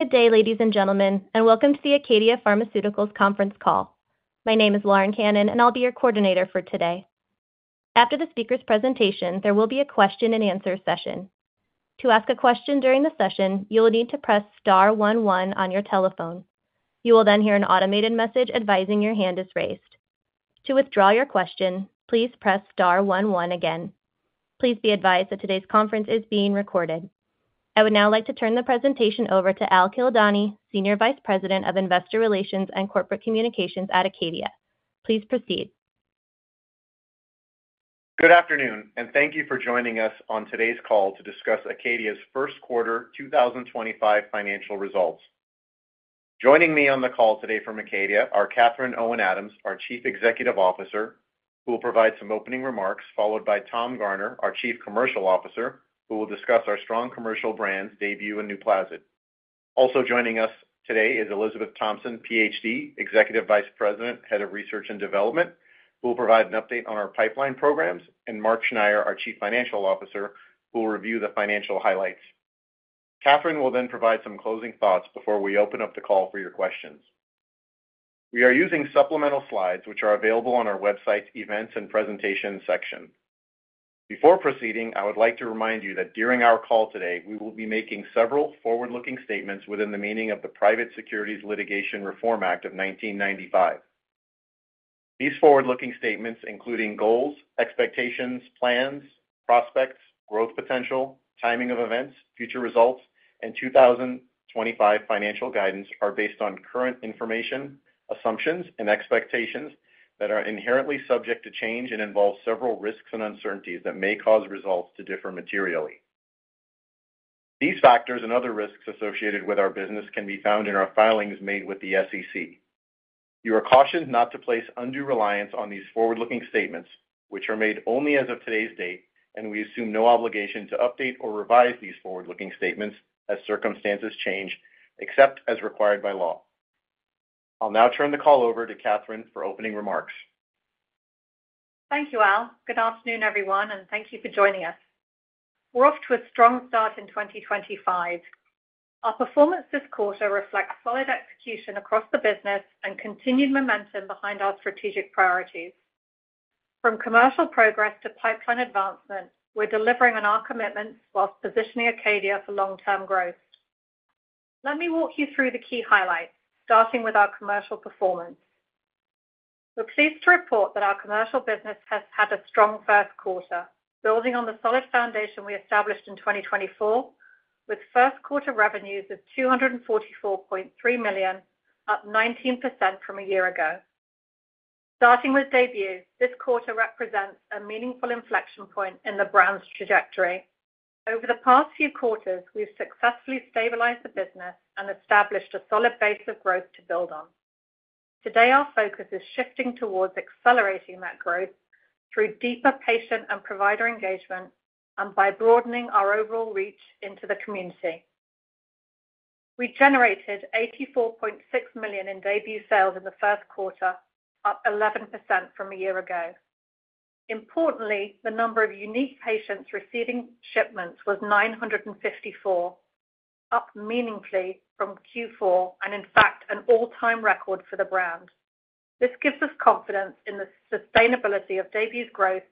Good day, ladies and gentlemen, and welcome to the Acadia Pharmaceuticals Conference Call. My name is Lauren Cannon, and I'll be your coordinator for today. After the speaker's presentation, there will be a question-and-answer session. To ask a question during the session, you will need to press star one one on your telephone. You will then hear an automated message advising your hand is raised. To withdraw your question, please press star one one again. Please be advised that today's conference is being recorded. I would now like to turn the presentation over to Al Kildani, Senior Vice President of Investor Relations and Corporate Communications at Acadia. Please proceed. Good afternoon, and thank you for joining us on today's call to discuss Acadia's first quarter 2025 financial results. Joining me on the call today from Acadia are Catherine Owen Adams, our Chief Executive Officer, who will provide some opening remarks, followed by Tom Garner, our Chief Commercial Officer, who will discuss our strong commercial brands, DAYBUE, and NUPLAZID. Also joining us today is Elizabeth Thompson, PhD, Executive Vice President, Head of Research and Development, who will provide an update on our pipeline programs, and Mark Schneyer, our Chief Financial Officer, who will review the financial highlights. Catherine will then provide some closing thoughts before we open up the call for your questions. We are using supplemental slides, which are available on our website's events and presentations section. Before proceeding, I would like to remind you that during our call today, we will be making several forward-looking statements within the meaning of the Private Securities Litigation Reform Act of 1995. These forward-looking statements, including goals, expectations, plans, prospects, growth potential, timing of events, future results, and 2025 financial guidance, are based on current information, assumptions, and expectations that are inherently subject to change and involve several risks and uncertainties that may cause results to differ materially. These factors and other risks associated with our business can be found in our filings made with the SEC. You are cautioned not to place undue reliance on these forward-looking statements, which are made only as of today's date, and we assume no obligation to update or revise these forward-looking statements as circumstances change, except as required by law. I'll now turn the call over to Catherine for opening remarks. Thank you, Al. Good afternoon, everyone, and thank you for joining us. We're off to a strong start in 2025. Our performance this quarter reflects solid execution across the business and continued momentum behind our strategic priorities. From commercial progress to pipeline advancement, we're delivering on our commitments whilst positioning Acadia for long-term growth. Let me walk you through the key highlights, starting with our commercial performance. We're pleased to report that our commercial business has had a strong first quarter, building on the solid foundation we established in 2024, with first quarter revenues of $244.3 million, up 19% from a year ago. Starting with DAYBUE, this quarter represents a meaningful inflection point in the brand's trajectory. Over the past few quarters, we've successfully stabilized the business and established a solid base of growth to build on. Today, our focus is shifting towards accelerating that growth through deeper patient and provider engagement and by broadening our overall reach into the community. We generated $84.6 million in DAYBUE sales in the first quarter, up 11% from a year ago. Importantly, the number of unique patients receiving shipments was 954, up meaningfully from Q4 and, in fact, an all-time record for the brand. This gives us confidence in the sustainability of DAYBUE's growth,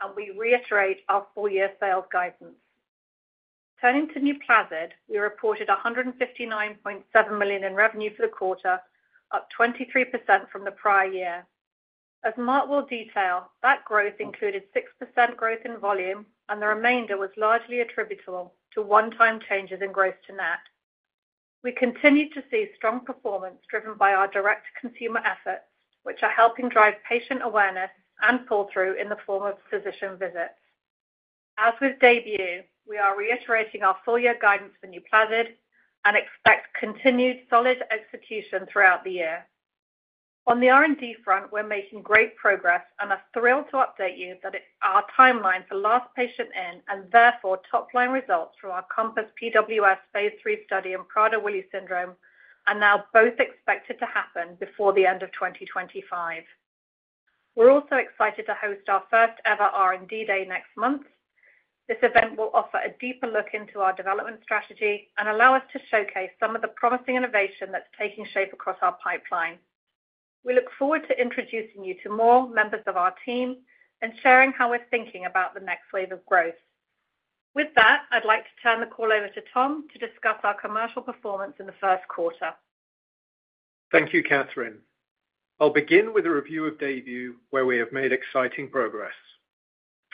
and we reiterate our four-year sales guidance. Turning to NUPLAZID, we reported $159.7 million in revenue for the quarter, up 23% from the prior year. As Mark will detail, that growth included 6% growth in volume, and the remainder was largely attributable to one-time changes in gross-to-net. We continue to see strong performance driven by our direct-to-consumer efforts, which are helping drive patient awareness and pull-through in the form of physician visits. As with DAYBUE, we are reiterating our four-year guidance for NUPLAZID and expect continued solid execution throughout the year. On the R&D front, we're making great progress and are thrilled to update you that our timeline for last patient in and, therefore, top-line results from our COMPASS PWS phase III study in Prader-Willi syndrome are now both expected to happen before the end of 2025. We're also excited to host our first-ever R&D day next month. This event will offer a deeper look into our development strategy and allow us to showcase some of the promising innovation that's taking shape across our pipeline. We look forward to introducing you to more members of our team and sharing how we're thinking about the next wave of growth. With that, I'd like to turn the call over to Tom to discuss our commercial performance in the first quarter. Thank you, Catherine. I'll begin with a review of DAYBUE, where we have made exciting progress.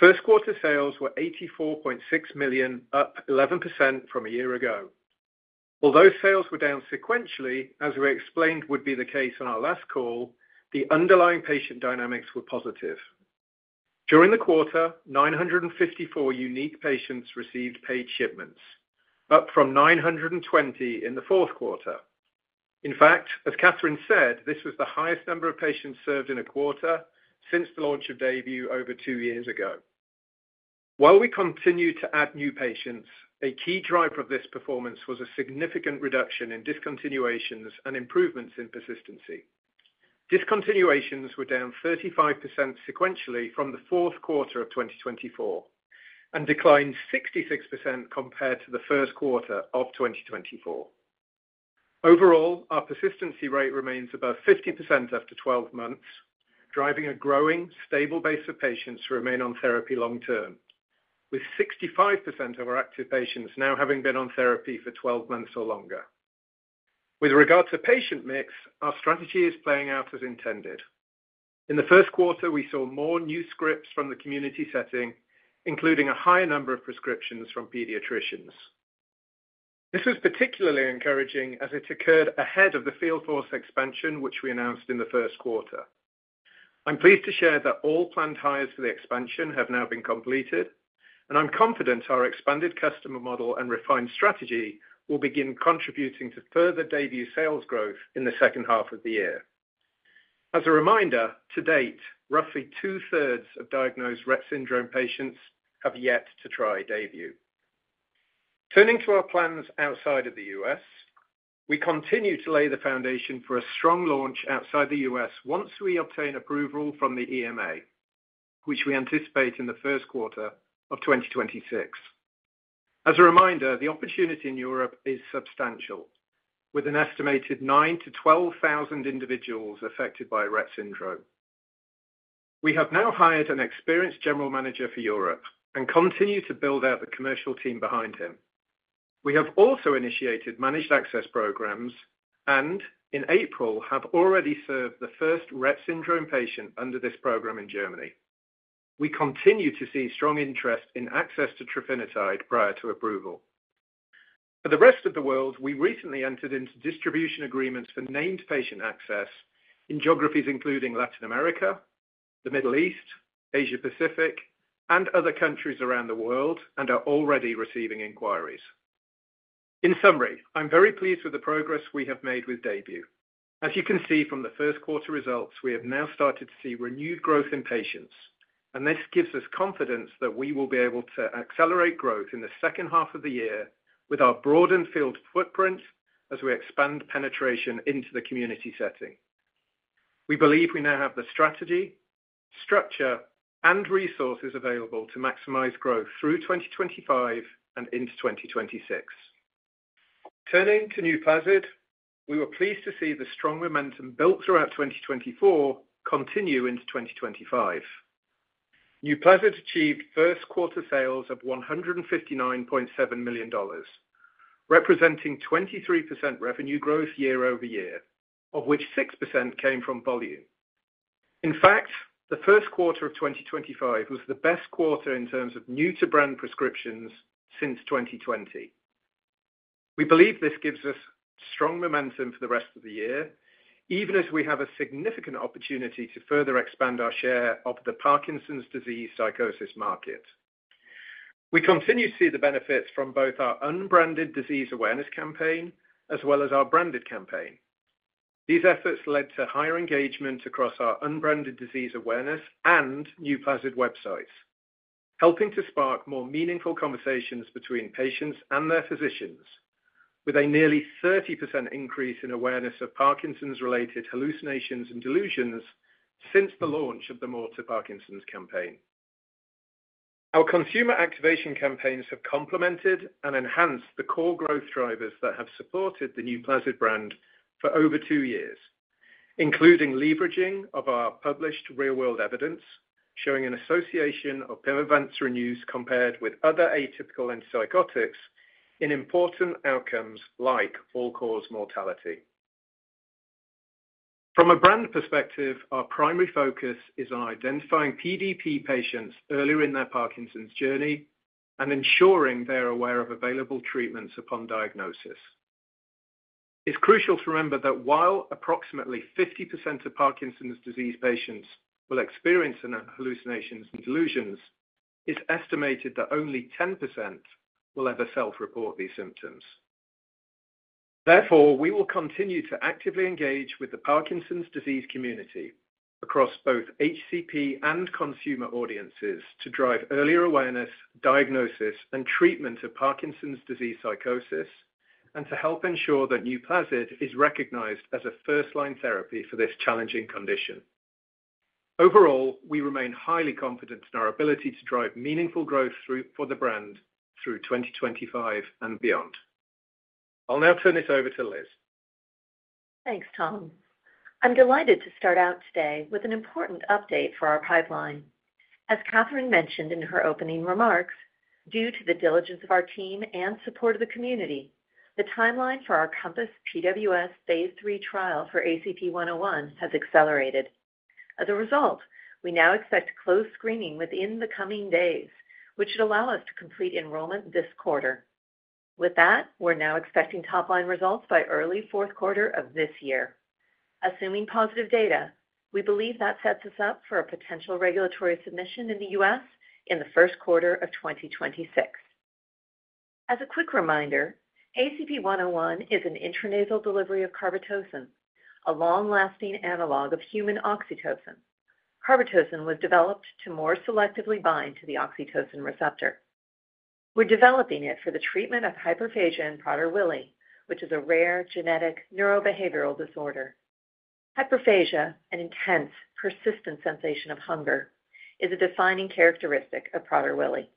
First quarter sales were $84.6 million, up 11% from a year ago. Although sales were down sequentially, as we explained would be the case on our last call, the underlying patient dynamics were positive. During the quarter, 954 unique patients received paid shipments, up from 920 in the fourth quarter. In fact, as Catherine said, this was the highest number of patients served in a quarter since the launch of DAYBUE over two years ago. While we continue to add new patients, a key driver of this performance was a significant reduction in discontinuations and improvements in persistency. Discontinuations were down 35% sequentially from the fourth quarter of 2024 and declined 66% compared to the first quarter of 2024. Overall, our persistency rate remains above 50% after 12 months, driving a growing, stable base of patients who remain on therapy long-term, with 65% of our active patients now having been on therapy for 12 months or longer. With regard to patient mix, our strategy is playing out as intended. In the first quarter, we saw more new scripts from the community setting, including a higher number of prescriptions from pediatricians. This was particularly encouraging as it occurred ahead of the field force expansion, which we announced in the first quarter. I'm pleased to share that all planned hires for the expansion have now been completed, and I'm confident our expanded customer model and refined strategy will begin contributing to further DAYBUE sales growth in the second half of the year. As a reminder, to date, roughly 2/3 of diagnosed Rett syndrome patients have yet to try DAYBUE. Turning to our plans outside of the U.S., we continue to lay the foundation for a strong launch outside the U.S. once we obtain approval from the EMA, which we anticipate in the first quarter of 2026. As a reminder, the opportunity in Europe is substantial, with an estimated 9,000-12,000 individuals affected by Rett syndrome. We have now hired an experienced General Manager for Europe and continue to build out the commercial team behind him. We have also initiated managed access programs and, in April, have already served the first Rett syndrome patient under this program in Germany. We continue to see strong interest in access to trofinetide prior to approval. For the rest of the world, we recently entered into distribution agreements for named patient access in geographies including Latin America, the Middle East, Asia-Pacific, and other countries around the world and are already receiving inquiries. In summary, I'm very pleased with the progress we have made with DAYBUE. As you can see from the first quarter results, we have now started to see renewed growth in patients, and this gives us confidence that we will be able to accelerate growth in the second half of the year with our broadened field footprint as we expand penetration into the community setting. We believe we now have the strategy, structure, and resources available to maximize growth through 2025 and into 2026. Turning to NUPLAZID, we were pleased to see the strong momentum built throughout 2024 continue into 2025. NUPLAZID achieved first quarter sales of $159.7 million, representing 23% revenue growth year-over-year, of which 6% came from volume. In fact, the first quarter of 2025 was the best quarter in terms of new-to-brand prescriptions since 2020. We believe this gives us strong momentum for the rest of the year, even as we have a significant opportunity to further expand our share of the Parkinson's disease psychosis market. We continue to see the benefits from both our unbranded disease awareness campaign as well as our branded campaign. These efforts led to higher engagement across our unbranded disease awareness and NUPLAZID websites, helping to spark more meaningful conversations between patients and their physicians, with a nearly 30% increase in awareness of Parkinson's-related hallucinations and delusions since the launch of the More to Parkinson's campaign. Our consumer activation campaigns have complemented and enhanced the core growth drivers that have supported the NUPLAZID brand for over two years, including leveraging of our published real-world evidence showing an association of pimavanserin compared with other atypical antipsychotics in important outcomes like all-cause mortality. From a brand perspective, our primary focus is on identifying PDP patients earlier in their Parkinson's journey and ensuring they are aware of available treatments upon diagnosis. It's crucial to remember that while approximately 50% of Parkinson's disease patients will experience hallucinations and delusions, it's estimated that only 10% will ever self-report these symptoms. Therefore, we will continue to actively engage with the Parkinson's disease community across both HCP and consumer audiences to drive earlier awareness, diagnosis, and treatment of Parkinson's disease psychosis, and to help ensure that NUPLAZID is recognized as a first-line therapy for this challenging condition. Overall, we remain highly confident in our ability to drive meaningful growth for the brand through 2025 and beyond. I'll now turn it over to Liz. Thanks, Tom. I'm delighted to start out today with an important update for our pipeline. As Catherine mentioned in her opening remarks, due to the diligence of our team and support of the community, the timeline for our Compass PWS phase III trial for ACP-101 has accelerated. As a result, we now expect closed screening within the coming days, which should allow us to complete enrollment this quarter. With that, we're now expecting top-line results by early fourth quarter of this year. Assuming positive data, we believe that sets us up for a potential regulatory submission in the U.S. in the first quarter of 2026. As a quick reminder, ACP-101 is an intranasal delivery of carbetocin, a long-lasting analog of human oxytocin. Carbetocin was developed to more selectively bind to the oxytocin receptor. We're developing it for the treatment of hyperphagia in Prader-Willi, which is a rare genetic neurobehavioral disorder. Hyperphagia, an intense, persistent sensation of hunger, is a defining characteristic of Prader-Willi.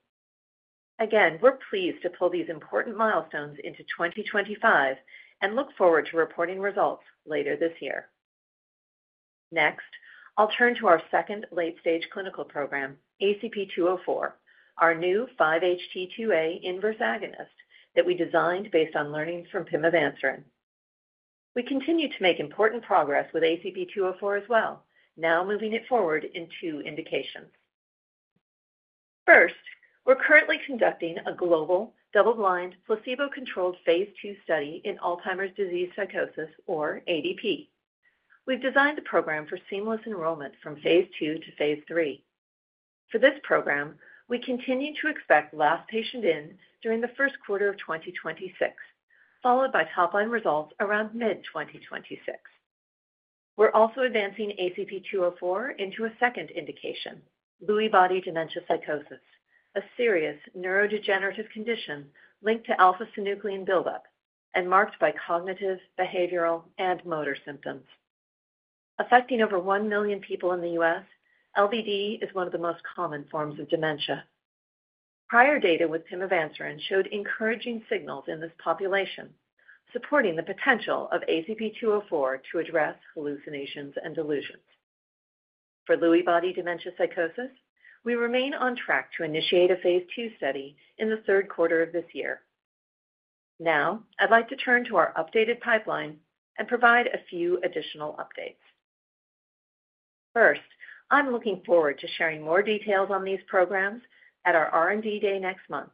Again, we're pleased to pull these important milestones into 2025 and look forward to reporting results later this year. Next, I'll turn to our second late-stage clinical program, ACP-204, our new 5-HT2A inverse agonist that we designed based on learnings from pimavanserin. We continue to make important progress with ACP-204 as well, now moving it forward in two indications. First, we're currently conducting a global, double-blind, placebo-controlled phase II study in Alzheimer's disease psychosis, or ADP. We've designed the program for seamless enrollment from phase II to phase III. For this program, we continue to expect last patient in during the first quarter of 2026, followed by top-line results around mid-2026. We're also advancing ACP-204 into a second indication, Lewy Body Dementia Psychosis, a serious neurodegenerative condition linked to alpha-synuclein buildup and marked by cognitive, behavioral, and motor symptoms. Affecting over 1 million people in the U.S., LBD is one of the most common forms of dementia. Prior data with pimavanserin showed encouraging signals in this population, supporting the potential of ACP-204 to address hallucinations and delusions. For Lewy Body Dementia Psychosis, we remain on track to initiate a phase II study in the third quarter of this year. Now, I'd like to turn to our updated pipeline and provide a few additional updates. First, I'm looking forward to sharing more details on these programs at our R&D day next month.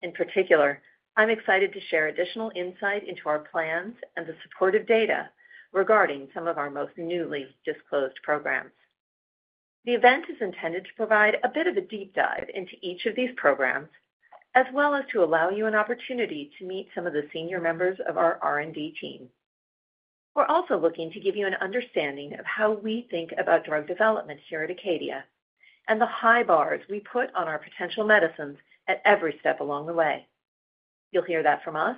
In particular, I'm excited to share additional insight into our plans and the supportive data regarding some of our most newly disclosed programs. The event is intended to provide a bit of a deep dive into each of these programs, as well as to allow you an opportunity to meet some of the senior members of our R&D team. We're also looking to give you an understanding of how we think about drug development here at Acadia and the high bars we put on our potential medicines at every step along the way. You'll hear that from us,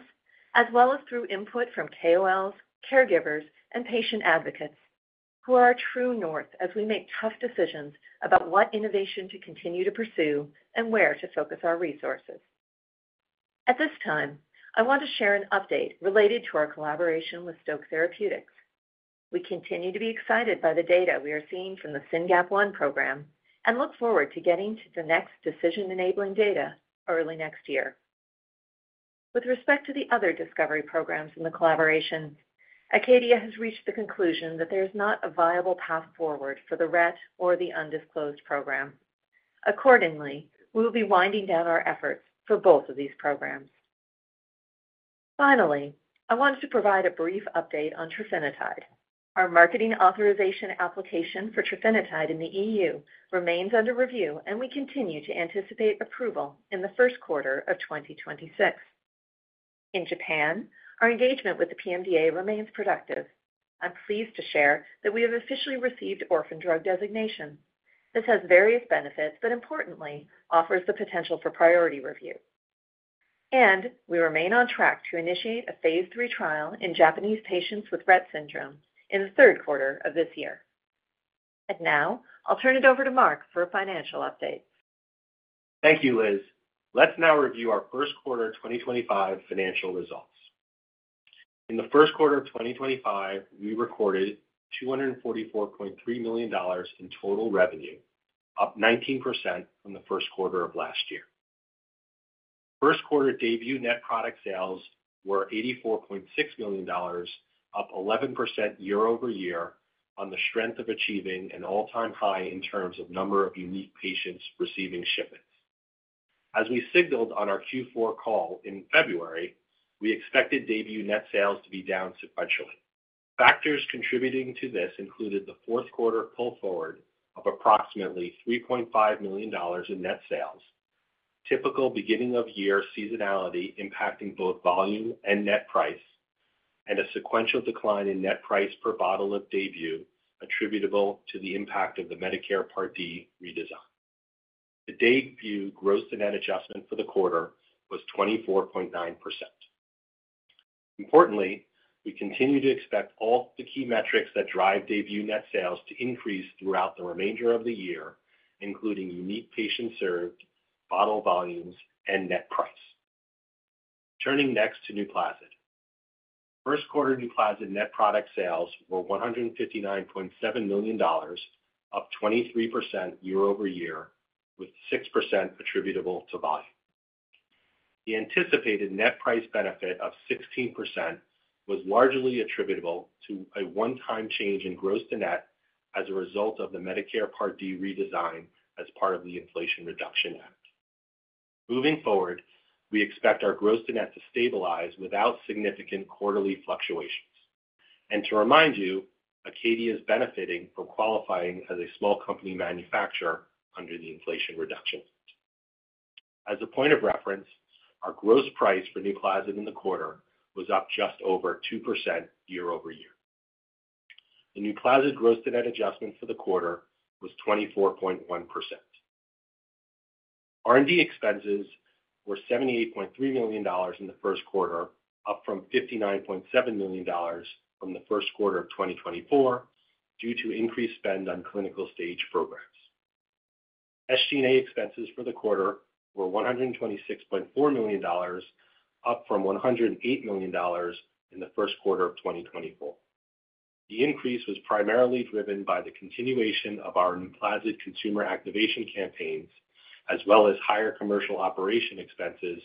as well as through input from KOLs, caregivers, and patient advocates, who are our true north as we make tough decisions about what innovation to continue to pursue and where to focus our resources. At this time, I want to share an update related to our collaboration with Stoke Therapeutics. We continue to be excited by the data we are seeing from the SYNGAP1 program and look forward to getting to the next decision-enabling data early next year. With respect to the other discovery programs in the collaboration, Acadia has reached the conclusion that there is not a viable path forward for the Rett or the undisclosed program. Accordingly, we will be winding down our efforts for both of these programs. Finally, I wanted to provide a brief update on trofinetide. Our marketing authorization application for trofinetide in the EU remains under review, and we continue to anticipate approval in the first quarter of 2026. In Japan, our engagement with the PMDA remains productive. I'm pleased to share that we have officially received orphan drug designation. This has various benefits, but importantly, offers the potential for priority review. We remain on track to initiate a phase III trial in Japanese patients with Rett syndrome in the third quarter of this year. Now, I'll turn it over to Mark for financial updates. Thank you, Liz. Let's now review our first quarter of 2025 financial results. In the first quarter of 2025, we recorded $244.3 million in total revenue, up 19% from the first quarter of last year. First quarter DAYBUE net product sales were $84.6 million, up 11% year-over-year, on the strength of achieving an all-time high in terms of number of unique patients receiving shipments. As we signaled on our Q4 call in February, we expected DAYBUE net sales to be down sequentially. Factors contributing to this included the fourth quarter pull forward of approximately $3.5 million in net sales, typical beginning-of-year seasonality impacting both volume and net price, and a sequential decline in net price per bottle of DAYBUE attributable to the impact of the Medicare Part D redesign. The DAYBUE gross-to-net adjustment for the quarter was 24.9%. Importantly, we continue to expect all the key metrics that drive DAYBUE net sales to increase throughout the remainder of the year, including unique patients served, bottle volumes, and net price. Turning next to NUPLAZID. First quarter NUPLAZID net product sales were $159.7 million, up 23% year-over-year, with 6% attributable to volume. The anticipated net price benefit of 16% was largely attributable to a one-time change in gross-to-net as a result of the Medicare Part D redesign as part of the Inflation Reduction Act. Moving forward, we expect our gross-to-net to stabilize without significant quarterly fluctuations. To remind you, Acadia is benefiting from qualifying as a small company manufacturer under the Inflation Reduction Act. As a point of reference, our gross price for NUPLAZID in the quarter was up just over 2% year-over-year. The NUPLAZID gross-to-net adjustment for the quarter was 24.1%. R&D expenses were $78.3 million in the first quarter, up from $59.7 million from the first quarter of 2024 due to increased spend on clinical stage programs. SG&A expenses for the quarter were $126.4 million, up from $108 million in the first quarter of 2024. The increase was primarily driven by the continuation of our NUPLAZID consumer activation campaigns, as well as higher commercial operation expenses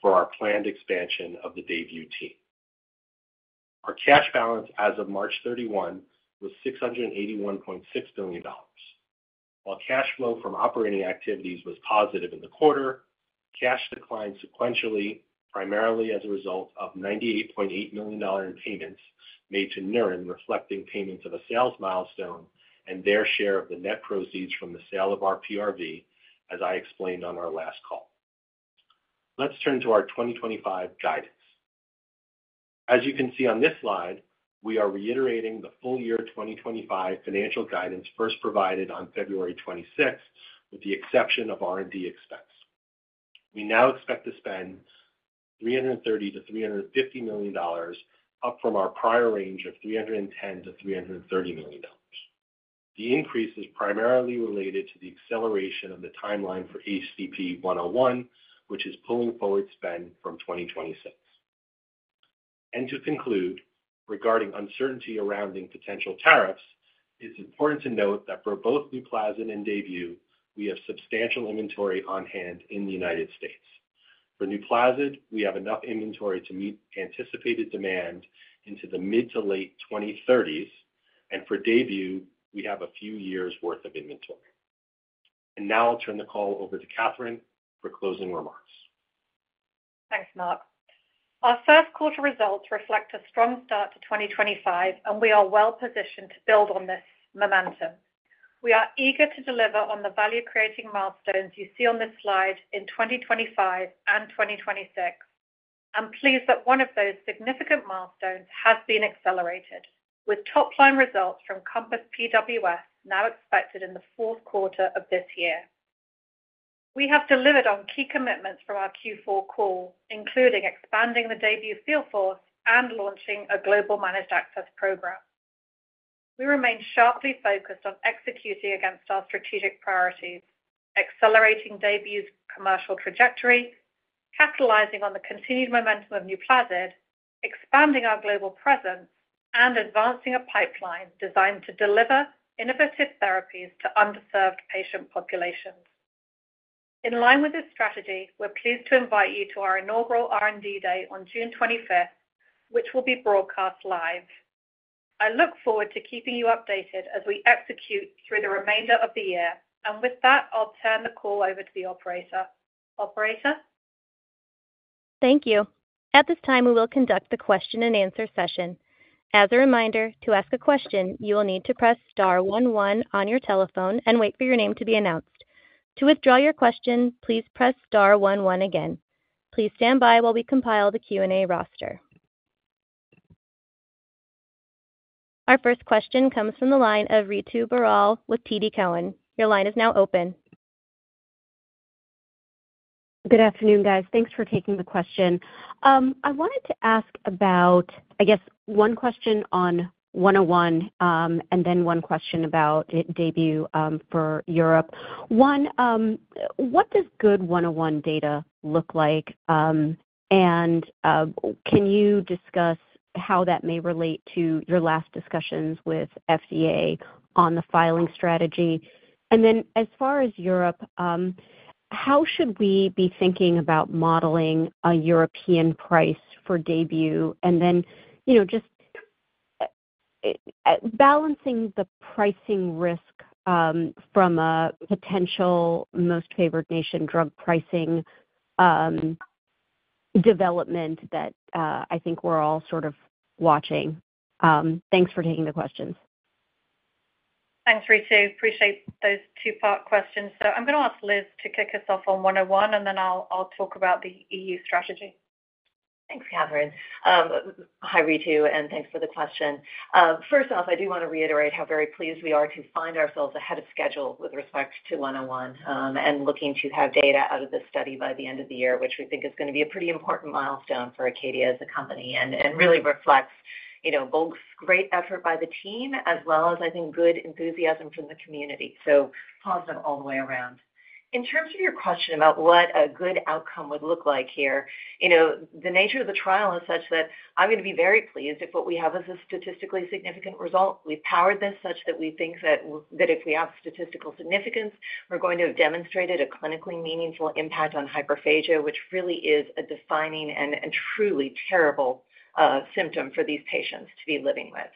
for our planned expansion of the DAYBUE team. Our cash balance as of March 31 was $681.6 million. While cash flow from operating activities was positive in the quarter, cash declined sequentially, primarily as a result of $98.8 million in payments made to Neuren, reflecting payments of a sales milestone and their share of the net proceeds from the sale of our PRV, as I explained on our last call. Let's turn to our 2025 guidance. As you can see on this slide, we are reiterating the full year 2025 financial guidance first provided on February 26, with the exception of R&D expense. We now expect to spend $330 million-$350 million, up from our prior range of $310 million-$330 million. The increase is primarily related to the acceleration of the timeline for ACP-101, which is pulling forward spend from 2026. To conclude, regarding uncertainty around potential tariffs, it's important to note that for both NUPLAZID and DAYBUE, we have substantial inventory on hand in the United States. For NUPLAZID, we have enough inventory to meet anticipated demand into the mid to late 2030s, and for DAYBUE, we have a few years' worth of inventory. Now I'll turn the call over to Catherine for closing remarks. Thanks, Mark. Our first quarter results reflect a strong start to 2025, and we are well positioned to build on this momentum. We are eager to deliver on the value-creating milestones you see on this slide in 2025 and 2026, and pleased that one of those significant milestones has been accelerated, with top-line results from COMPASS PWS now expected in the fourth quarter of this year. We have delivered on key commitments from our Q4 call, including expanding the DAYBUE field force and launching a global managed access program. We remain sharply focused on executing against our strategic priorities, accelerating DAYBUE's commercial trajectory, capitalizing on the continued momentum of NUPLAZID, expanding our global presence, and advancing a pipeline designed to deliver innovative therapies to underserved patient populations. In line with this strategy, we're pleased to invite you to our inaugural R&D Day on June 25th, which will be broadcast live. I look forward to keeping you updated as we execute through the remainder of the year, and with that, I'll turn the call over to the operator. Operator. Thank you. At this time, we will conduct the question-and-answer session. As a reminder, to ask a question, you will need to press star one one on your telephone and wait for your name to be announced. To withdraw your question, please press star one one again. Please stand by while we compile the Q&A roster. Our first question comes from the line of Ritu Baral with TD Cowen. Your line is now open. Good afternoon, guys. Thanks for taking the question. I wanted to ask about, I guess, one question on 101 and then one question about DAYBUE for Europe. One, what does good 101 data look like, and can you discuss how that may relate to your last discussions with FDA on the filing strategy? As far as Europe, how should we be thinking about modeling a European price for DAYBUE and then just balancing the pricing risk from a potential most favored nation drug pricing development that I think we're all sort of watching? Thanks for taking the questions. Thanks, Ritu. Appreciate those two-part questions. I'm going to ask Liz to kick us off on 101, and then I'll talk about the EU strategy. Thanks, Catherine. Hi, Ritu, and thanks for the question. First off, I do want to reiterate how very pleased we are to find ourselves ahead of schedule with respect to 101 and looking to have data out of this study by the end of the year, which we think is going to be a pretty important milestone for Acadia as a company and really reflects both great effort by the team as well as, I think, good enthusiasm from the community. Positive all the way around. In terms of your question about what a good outcome would look like here, the nature of the trial is such that I'm going to be very pleased if what we have is a statistically significant result. We've powered this such that we think that if we have statistical significance, we're going to have demonstrated a clinically meaningful impact on hyperphagia, which really is a defining and truly terrible symptom for these patients to be living with.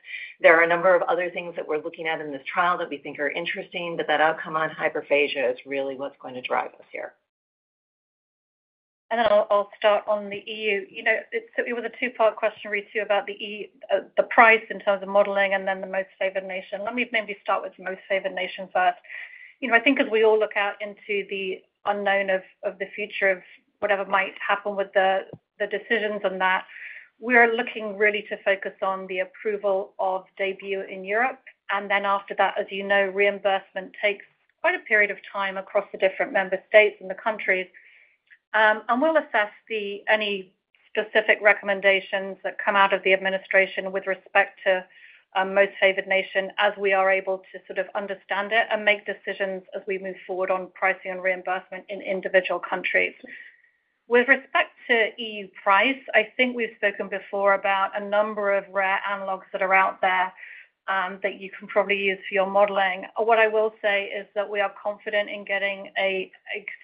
There are a number of other things that we're looking at in this trial that we think are interesting, but that outcome on hyperphagia is really what's going to drive us here. I'll start on the EU. It was a two-part question, Ritu, about the price in terms of modeling and then the most favored nation. Let me maybe start with the most favored nation first. I think as we all look out into the unknown of the future of whatever might happen with the decisions on that, we're looking really to focus on the approval of DAYBUE in Europe. After that, as you know, reimbursement takes quite a period of time across the different member states and the countries. We'll assess any specific recommendations that come out of the administration with respect to most favored nation as we are able to sort of understand it and make decisions as we move forward on pricing and reimbursement in individual countries. With respect to EU price, I think we've spoken before about a number of rare analogs that are out there that you can probably use for your modeling. What I will say is that we are confident in getting a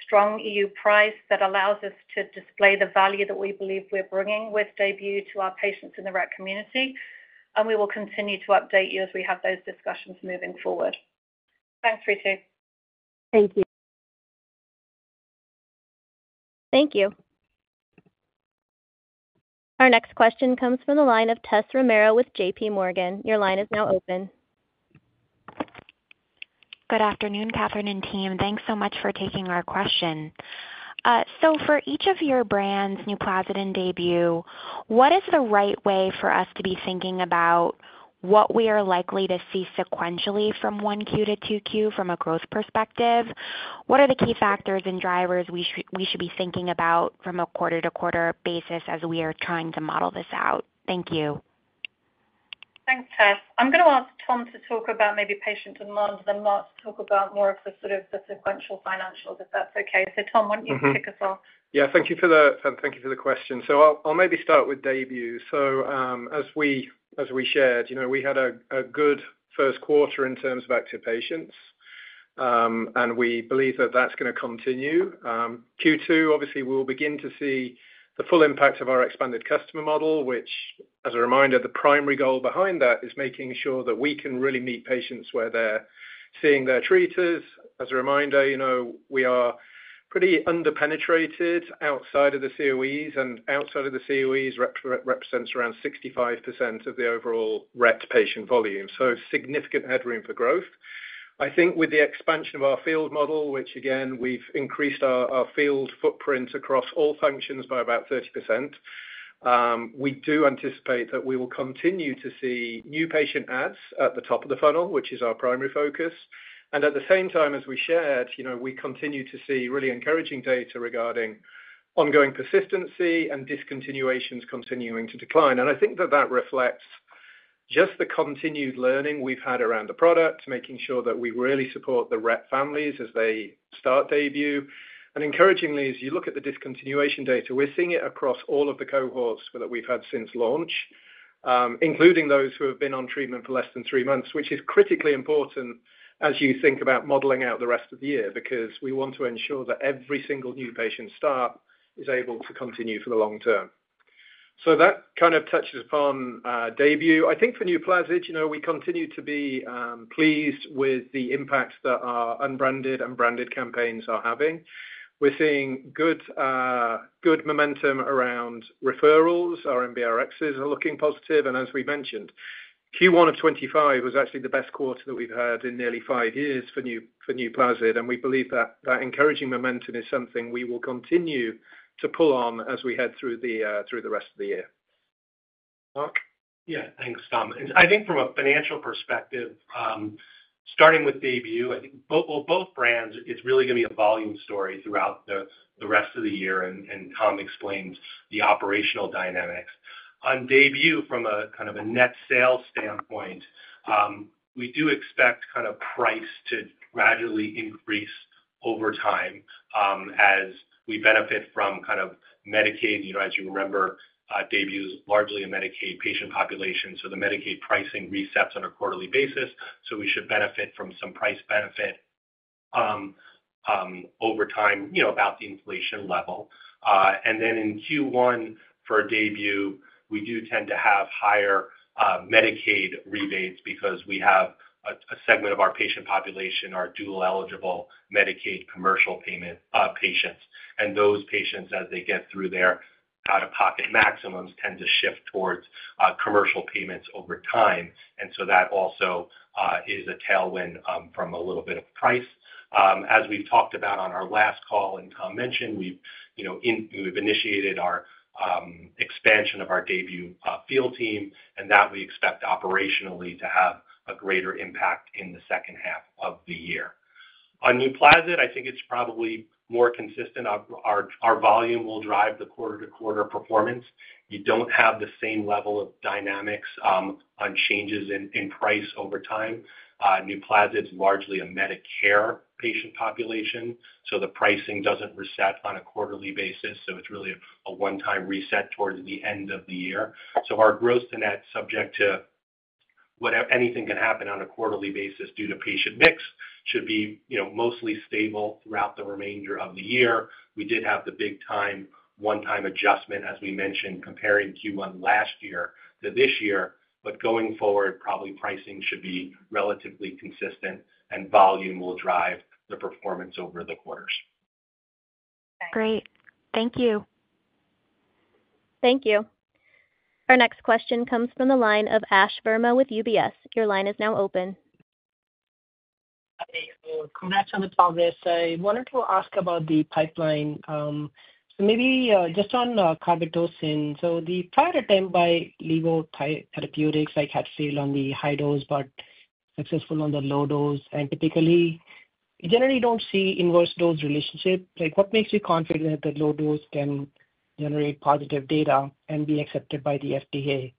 strong EU price that allows us to display the value that we believe we're bringing with DAYBUE to our patients in the Rett community. We will continue to update you as we have those discussions moving forward. Thanks, Ritu. Thank you. Thank you. Our next question comes from the line of Tess Romero with JPMorgan. Your line is now open. Good afternoon, Catherine and team. Thanks so much for taking our question. For each of your brands, NUPLAZID and DAYBUE, what is the right way for us to be thinking about what we are likely to see sequentially from 1Q to 2Q from a growth perspective? What are the key factors and drivers we should be thinking about from a quarter-to-quarter basis as we are trying to model this out? Thank you. Thanks, Tess. I'm going to ask Tom to talk about maybe patient demand and Mark to talk about more of the sort of sequential financials, if that's okay. Tom, why don't you kick us off? Yeah, thank you for the question. I'll maybe start with DAYBUE. As we shared, we had a good first quarter in terms of active patients, and we believe that is going to continue. Q2, obviously, we will begin to see the full impact of our expanded customer model, which, as a reminder, the primary goal behind that is making sure that we can really meet patients where they are seeing their treaters. As a reminder, we are pretty underpenetrated outside of the COEs, and outside of the COEs represents around 65% of the overall Rett patient volume. Significant headroom for growth. I think with the expansion of our field model, which, again, we have increased our field footprint across all functions by about 30%, we do anticipate that we will continue to see new patient adds at the top of the funnel, which is our primary focus. At the same time, as we shared, we continue to see really encouraging data regarding ongoing persistency and discontinuations continuing to decline. I think that that reflects just the continued learning we have had around the product, making sure that we really support the Rett families as they start DAYBUE. Encouragingly, as you look at the discontinuation data, we are seeing it across all of the cohorts that we have had since launch, including those who have been on treatment for less than three months, which is critically important as you think about modeling out the rest of the year because we want to ensure that every single new patient start is able to continue for the long term. That kind of touches upon DAYBUE. I think for NUPLAZID, we continue to be pleased with the impact that our unbranded and branded campaigns are having. We're seeing good momentum around referrals. Our MBRXs are looking positive. As we mentioned, Q1 of 2025 was actually the best quarter that we've had in nearly five years for NUPLAZID. We believe that that encouraging momentum is something we will continue to pull on as we head through the rest of the year. Mark? Yeah, thanks, Tom. I think from a financial perspective, starting with DAYBUE, I think for both brands, it's really going to be a volume story throughout the rest of the year. Tom explained the operational dynamics. On DAYBUE, from a kind of a net sales standpoint, we do expect kind of price to gradually increase over time as we benefit from kind of Medicaid. As you remember, DAYBUE is largely a Medicaid patient population. The Medicaid pricing resets on a quarterly basis. We should benefit from some price benefit over time about the inflation level. In Q1 for DAYBUE, we do tend to have higher Medicaid rebates because we have a segment of our patient population are dual-eligible Medicaid commercial payment patients. Those patients, as they get through their out-of-pocket maximums, tend to shift towards commercial payments over time. That also is a tailwind from a little bit of price. As we have talked about on our last call, and Tom mentioned, we have initiated our expansion of our DAYBUE field team, and we expect operationally to have a greater impact in the second half of the year. On NUPLAZID, I think it is probably more consistent. Our volume will drive the quarter-to-quarter performance. You do not have the same level of dynamics on changes in price over time. NUPLAZID is largely a Medicare patient population, so the pricing does not reset on a quarterly basis. It is really a one-time reset towards the end of the year. Our growth, and that is subject to anything can happen on a quarterly basis due to patient mix, should be mostly stable throughout the remainder of the year. We did have the big-time one-time adjustment, as we mentioned, comparing Q1 last year to this year. Going forward, probably pricing should be relatively consistent, and volume will drive the performance over the quarters. Great. Thank you. Thank you. Our next question comes from the line of Ash Verma with UBS. Your line is now open. Congrats on the progress. I wanted to ask about the pipeline. Maybe just on carbetocin. The prior attempt by Levo Therapeutics had failed on the high dose but was successful on the low dose. Typically, you generally do not see inverse dose relationship. What makes you confident that the low dose can generate positive data and be accepted by the FDA?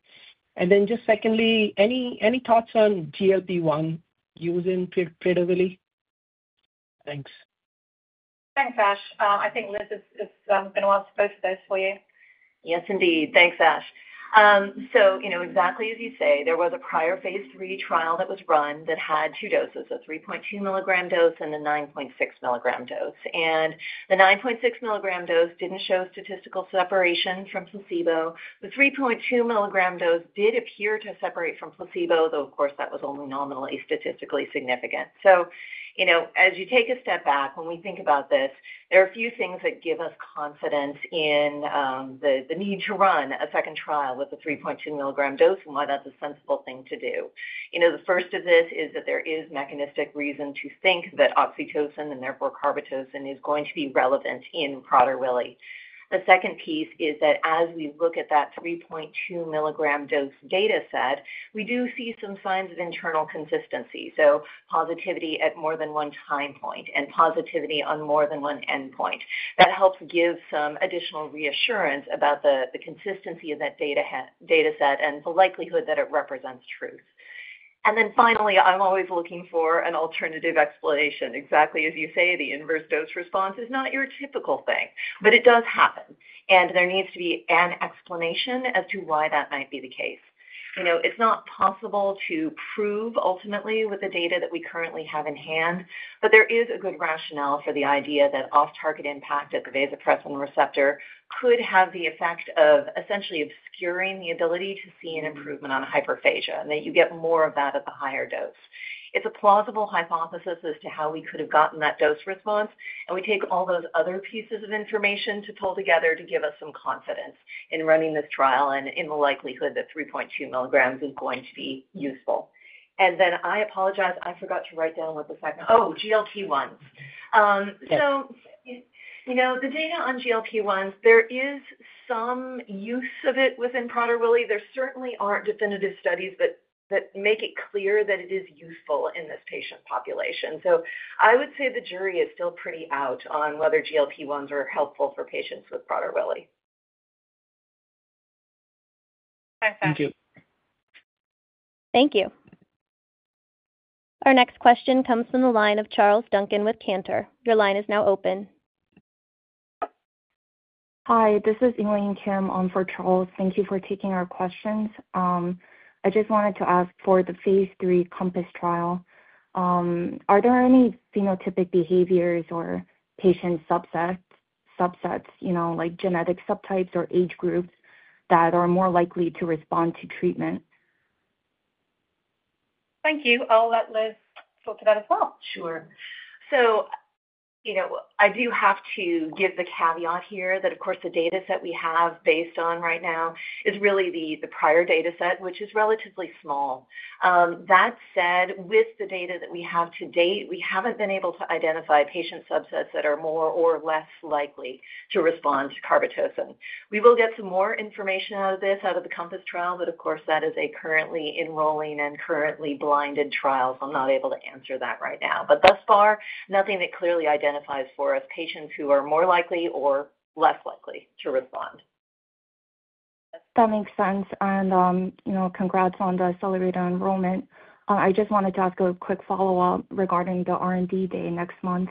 Secondly, any thoughts on GLP-1 using predominantly? Thanks. Thanks, Ash. I think Liz has been able to answer both of those for you. Yes, indeed. Thanks, Ash. Exactly as you say, there was a prior phase III trial that was run that had two doses, a 3.2 mg dose and a 9.6 mg dose. The 9.6 mg dose did not show statistical separation from placebo. The 3.2 mg dose did appear to separate from placebo, though, of course, that was only nominally statistically significant. As you take a step back, when we think about this, there are a few things that give us confidence in the need to run a second trial with a 3.2 mg dose and why that is a sensible thing to do. The first of this is that there is mechanistic reason to think that oxytocin and therefore carbetocin is going to be relevant in Prader-Willi. The second piece is that as we look at that 3.2 mg dose data set, we do see some signs of internal consistency. Positivity at more than one time point and positivity on more than one endpoint. That helps give some additional reassurance about the consistency of that data set and the likelihood that it represents truth. Finally, I'm always looking for an alternative explanation. Exactly as you say, the inverse dose response is not your typical thing, but it does happen. There needs to be an explanation as to why that might be the case. It's not possible to prove ultimately with the data that we currently have in hand, but there is a good rationale for the idea that off-target impact at the vasopressin receptor could have the effect of essentially obscuring the ability to see an improvement on hyperphagia and that you get more of that at the higher dose. It's a plausible hypothesis as to how we could have gotten that dose response. We take all those other pieces of information to pull together to give us some confidence in running this trial and in the likelihood that 3.2 mg is going to be useful. I apologize, I forgot to write down what the second—oh, GLP-1s. The data on GLP-1s, there is some use of it within Prader-Willi. There certainly aren't definitive studies that make it clear that it is useful in this patient population. I would say the jury is still pretty out on whether GLP-1s are helpful for patients with Prader-Willi. Thanks, Ash. Thank you. Thank you. Our next question comes from the line of Charles Duncan with Cantor. Your line is now open. Hi, this is Elaine Kim on for Charles. Thank you for taking our questions. I just wanted to ask for the phase III COMPASS trial. Are there any phenotypic behaviors or patient subsets like genetic subtypes or age groups that are more likely to respond to treatment? Thank you. I'll let Liz talk to that as well. Sure. I do have to give the caveat here that, of course, the data set we have based on right now is really the prior data set, which is relatively small. That said, with the data that we have to date, we haven't been able to identify patient subsets that are more or less likely to respond to carbetocin. We will get some more information out of this out of the COMPASS trial, but of course, that is a currently enrolling and currently blinded trial. I'm not able to answer that right now. Thus far, nothing that clearly identifies for us patients who are more likely or less likely to respond. That makes sense. Congrats on the accelerated enrollment. I just wanted to ask a quick follow-up regarding the R&D Day next month.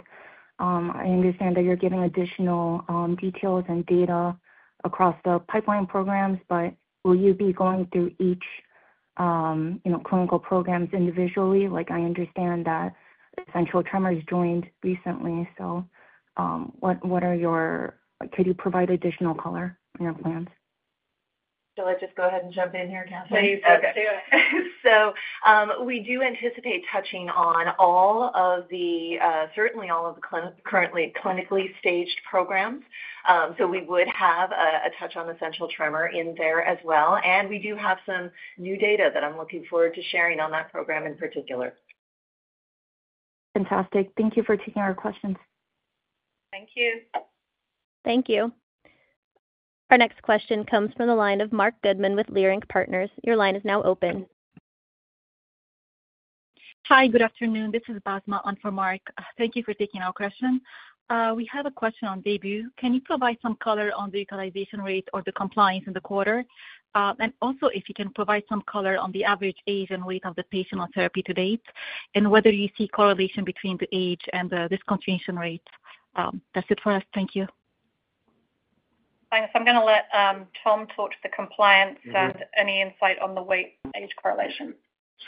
I understand that you're giving additional details and data across the pipeline programs, but will you be going through each clinical program individually? I understand that Essential Tremor joined recently. What are your—could you provide additional color on your plans? Shall I just go ahead and jump in here, Catherine? Please do. Okay. We do anticipate touching on all of the—certainly all of the currently clinically staged programs. We would have a touch on Essential Tremor in there as well. We do have some new data that I'm looking forward to sharing on that program in particular. Fantastic. Thank you for taking our questions. Thank you. Thank you. Our next question comes from the line of Marc Goodman with Leerink Partners. Your line is now open. Hi, good afternoon. This is Basma on for Marc. Thank you for taking our question. We have a question on DAYBUE. Can you provide some color on the utilization rate or the compliance in the quarter? Also, if you can provide some color on the average age and weight of the patient on therapy to date and whether you see correlation between the age and the discontinuation rate. That's it for us. Thank you. Thanks. I'm going to let Tom talk to the compliance and any insight on the weight-age correlation.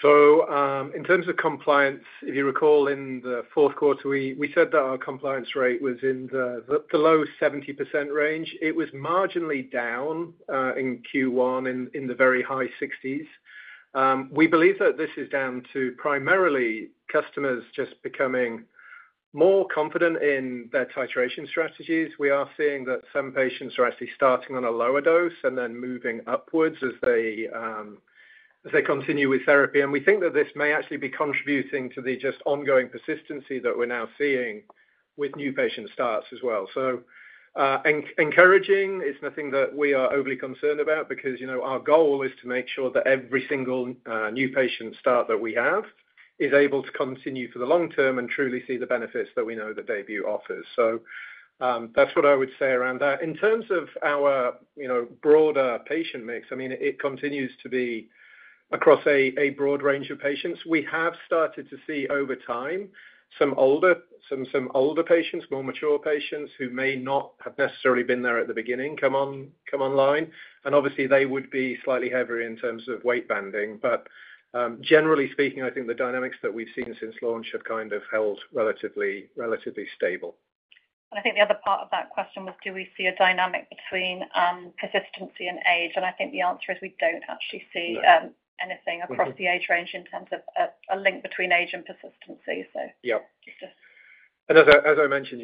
In terms of compliance, if you recall in the fourth quarter, we said that our compliance rate was in the low 70% range. It was marginally down in Q1 in the very high 60%. We believe that this is down to primarily customers just becoming more confident in their titration strategies. We are seeing that some patients are actually starting on a lower dose and then moving upwards as they continue with therapy. We think that this may actually be contributing to the ongoing persistency that we are now seeing with new patient starts as well. Encouragingly, it is nothing that we are overly concerned about because our goal is to make sure that every single new patient start that we have is able to continue for the long term and truly see the benefits that we know that DAYBUE offers. That's what I would say around that. In terms of our broader patient mix, I mean, it continues to be across a broad range of patients. We have started to see over time some older patients, more mature patients who may not have necessarily been there at the beginning come online. Obviously, they would be slightly heavier in terms of weight banding. Generally speaking, I think the dynamics that we've seen since launch have kind of held relatively stable. I think the other part of that question was, do we see a dynamic between persistency and age? I think the answer is we do not actually see anything across the age range in terms of a link between age and persistency. Yeah. As I mentioned,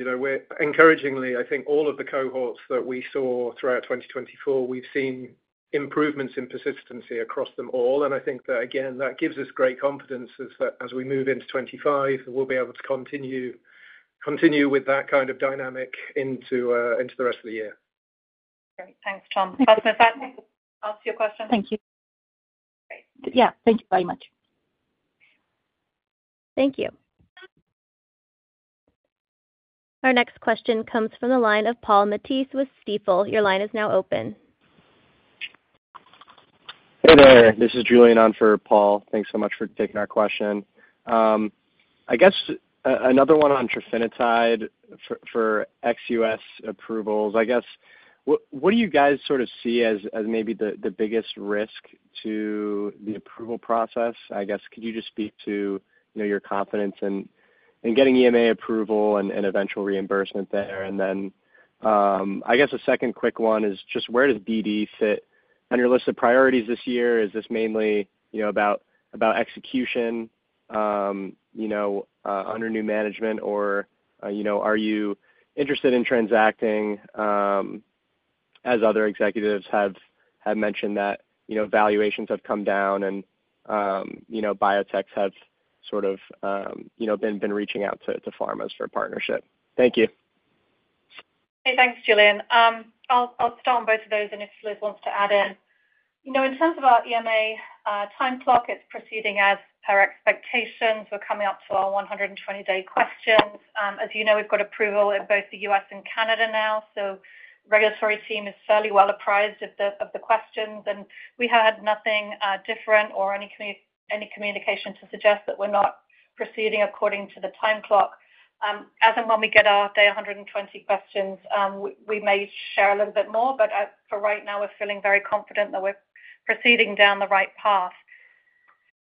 encouragingly, I think all of the cohorts that we saw throughout 2024, we've seen improvements in persistency across them all. I think that, again, that gives us great confidence as we move into 2025 and we'll be able to continue with that kind of dynamic into the rest of the year. Great. Thanks, Tom. Basma, does that answer your question? Thank you. Yeah. Thank you very much. Thank you. Our next question comes from the line of Paul Matteis with Stifel. Your line is now open. Hey there. This is Julian on for Paul. Thanks so much for taking our question. I guess another one on trofinetide for ex-U.S. approvals. I guess what do you guys sort of see as maybe the biggest risk to the approval process? I guess could you just speak to your confidence in getting EMA approval and eventual reimbursement there? Then I guess a second quick one is just where does BD fit on your list of priorities this year? Is this mainly about execution under new management, or are you interested in transacting? As other executives have mentioned, that valuations have come down and biotechs have sort of been reaching out to pharmas for a partnership. Thank you. Hey, thanks, Julian. I'll start on both of those, and if Liz wants to add in. In terms of our EMA time clock, it's proceeding as per expectations. We're coming up to our 120-day questions. As you know, we've got approval in both the U.S. and Canada now. The regulatory team is fairly well apprised of the questions. We have had nothing different or any communication to suggest that we're not proceeding according to the time clock. As and when we get our day 120 questions, we may share a little bit more. For right now, we're feeling very confident that we're proceeding down the right path.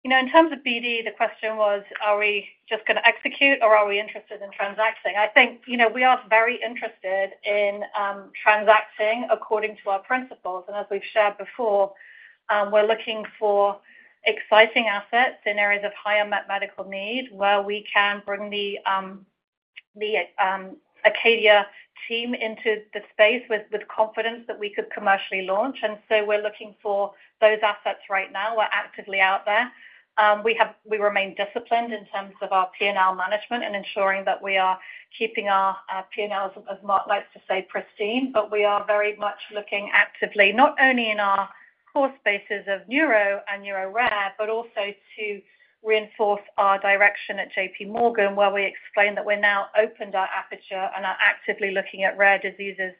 In terms of BD, the question was, are we just going to execute, or are we interested in transacting? I think we are very interested in transacting according to our principles. As we have shared before, we are looking for exciting assets in areas of higher medical need where we can bring the Acadia team into the space with confidence that we could commercially launch. We are looking for those assets right now. We are actively out there. We remain disciplined in terms of our P&L management and ensuring that we are keeping our P&Ls, as Mark likes to say, pristine. We are very much looking actively not only in our core spaces of neuro and neuro rare, but also to reinforce our direction at JPMorgan, where we explained that we have now opened our aperture and are actively looking at rare diseases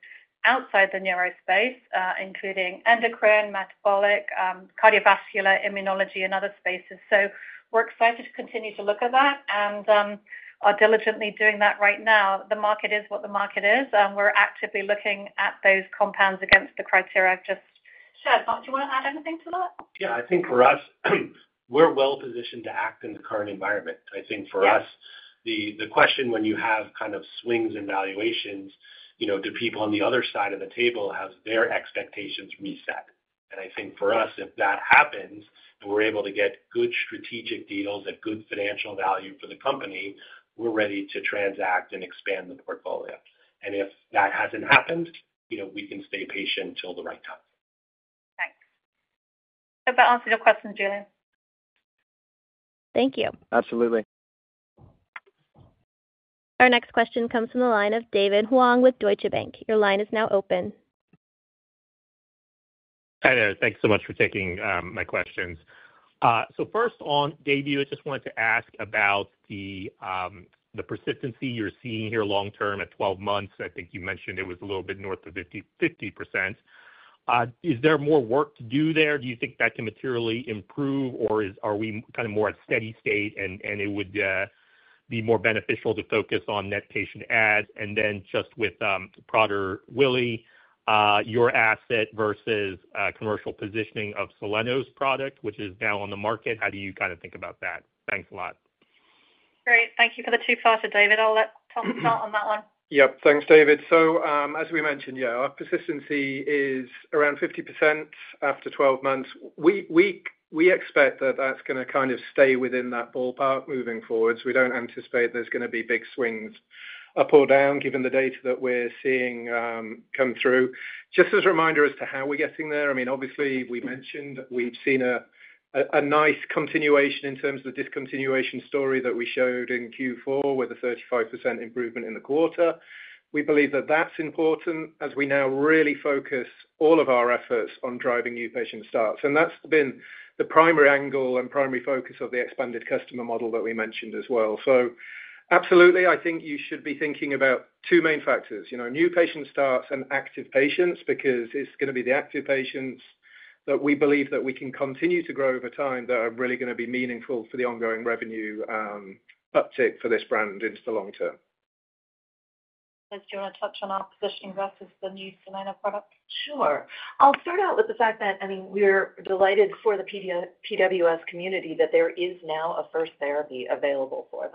outside the neuro space, including endocrine, metabolic, cardiovascular, immunology, and other spaces. We are excited to continue to look at that and are diligently doing that right now. The market is what the market is. We're actively looking at those compounds against the criteria I've just shared. Mark, do you want to add anything to that? Yeah. I think for us, we're well positioned to act in the current environment. I think for us, the question when you have kind of swings in valuations, do people on the other side of the table have their expectations reset? I think for us, if that happens and we're able to get good strategic deals at good financial value for the company, we're ready to transact and expand the portfolio. If that hasn't happened, we can stay patient till the right time. Thanks. Did that answer your question, Julian? Thank you. Absolutely. Our next question comes from the line of David Hoang with Deutsche Bank. Your line is now open. Hi there. Thanks so much for taking my questions. First on DAYBUE, I just wanted to ask about the persistency you're seeing here long term at 12 months. I think you mentioned it was a little bit north of 50%. Is there more work to do there? Do you think that can materially improve, or are we kind of more at steady state and it would be more beneficial to focus on net patient adds? Just with Prader-Willi, your asset versus commercial positioning of Soleno's product, which is now on the market, how do you kind of think about that? Thanks a lot. Great. Thank you for the two-parter, David. I'll let Tom start on that one. Yep. Thanks, David. As we mentioned, yeah, our persistency is around 50% after 12 months. We expect that that's going to kind of stay within that ballpark moving forward. We do not anticipate there's going to be big swings up or down given the data that we're seeing come through. Just as a reminder as to how we're getting there, I mean, obviously, we mentioned we've seen a nice continuation in terms of the discontinuation story that we showed in Q4 with a 35% improvement in the quarter. We believe that that's important as we now really focus all of our efforts on driving new patient starts. That's been the primary angle and primary focus of the expanded customer model that we mentioned as well. Absolutely, I think you should be thinking about two main factors: new patient starts and active patients because it's going to be the active patients that we believe that we can continue to grow over time that are really going to be meaningful for the ongoing revenue uptick for this brand into the long term. Do you want to touch on our positioning versus the new Soleno product? Sure. I'll start out with the fact that, I mean, we're delighted for the PWS community that there is now a first therapy available for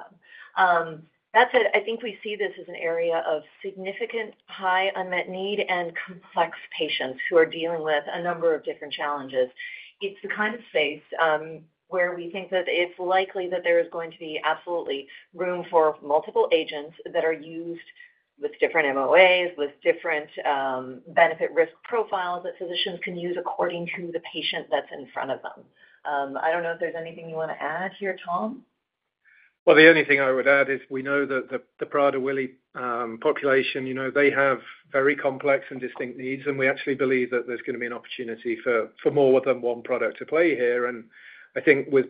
them. That said, I think we see this as an area of significant high unmet need and complex patients who are dealing with a number of different challenges. It's the kind of space where we think that it's likely that there is going to be absolutely room for multiple agents that are used with different MOAs, with different benefit risk profiles that physicians can use according to the patient that's in front of them. I don't know if there's anything you want to add here, Tom. The only thing I would add is we know that the Prader-Willi population, they have very complex and distinct needs. We actually believe that there's going to be an opportunity for more than one product to play here. I think with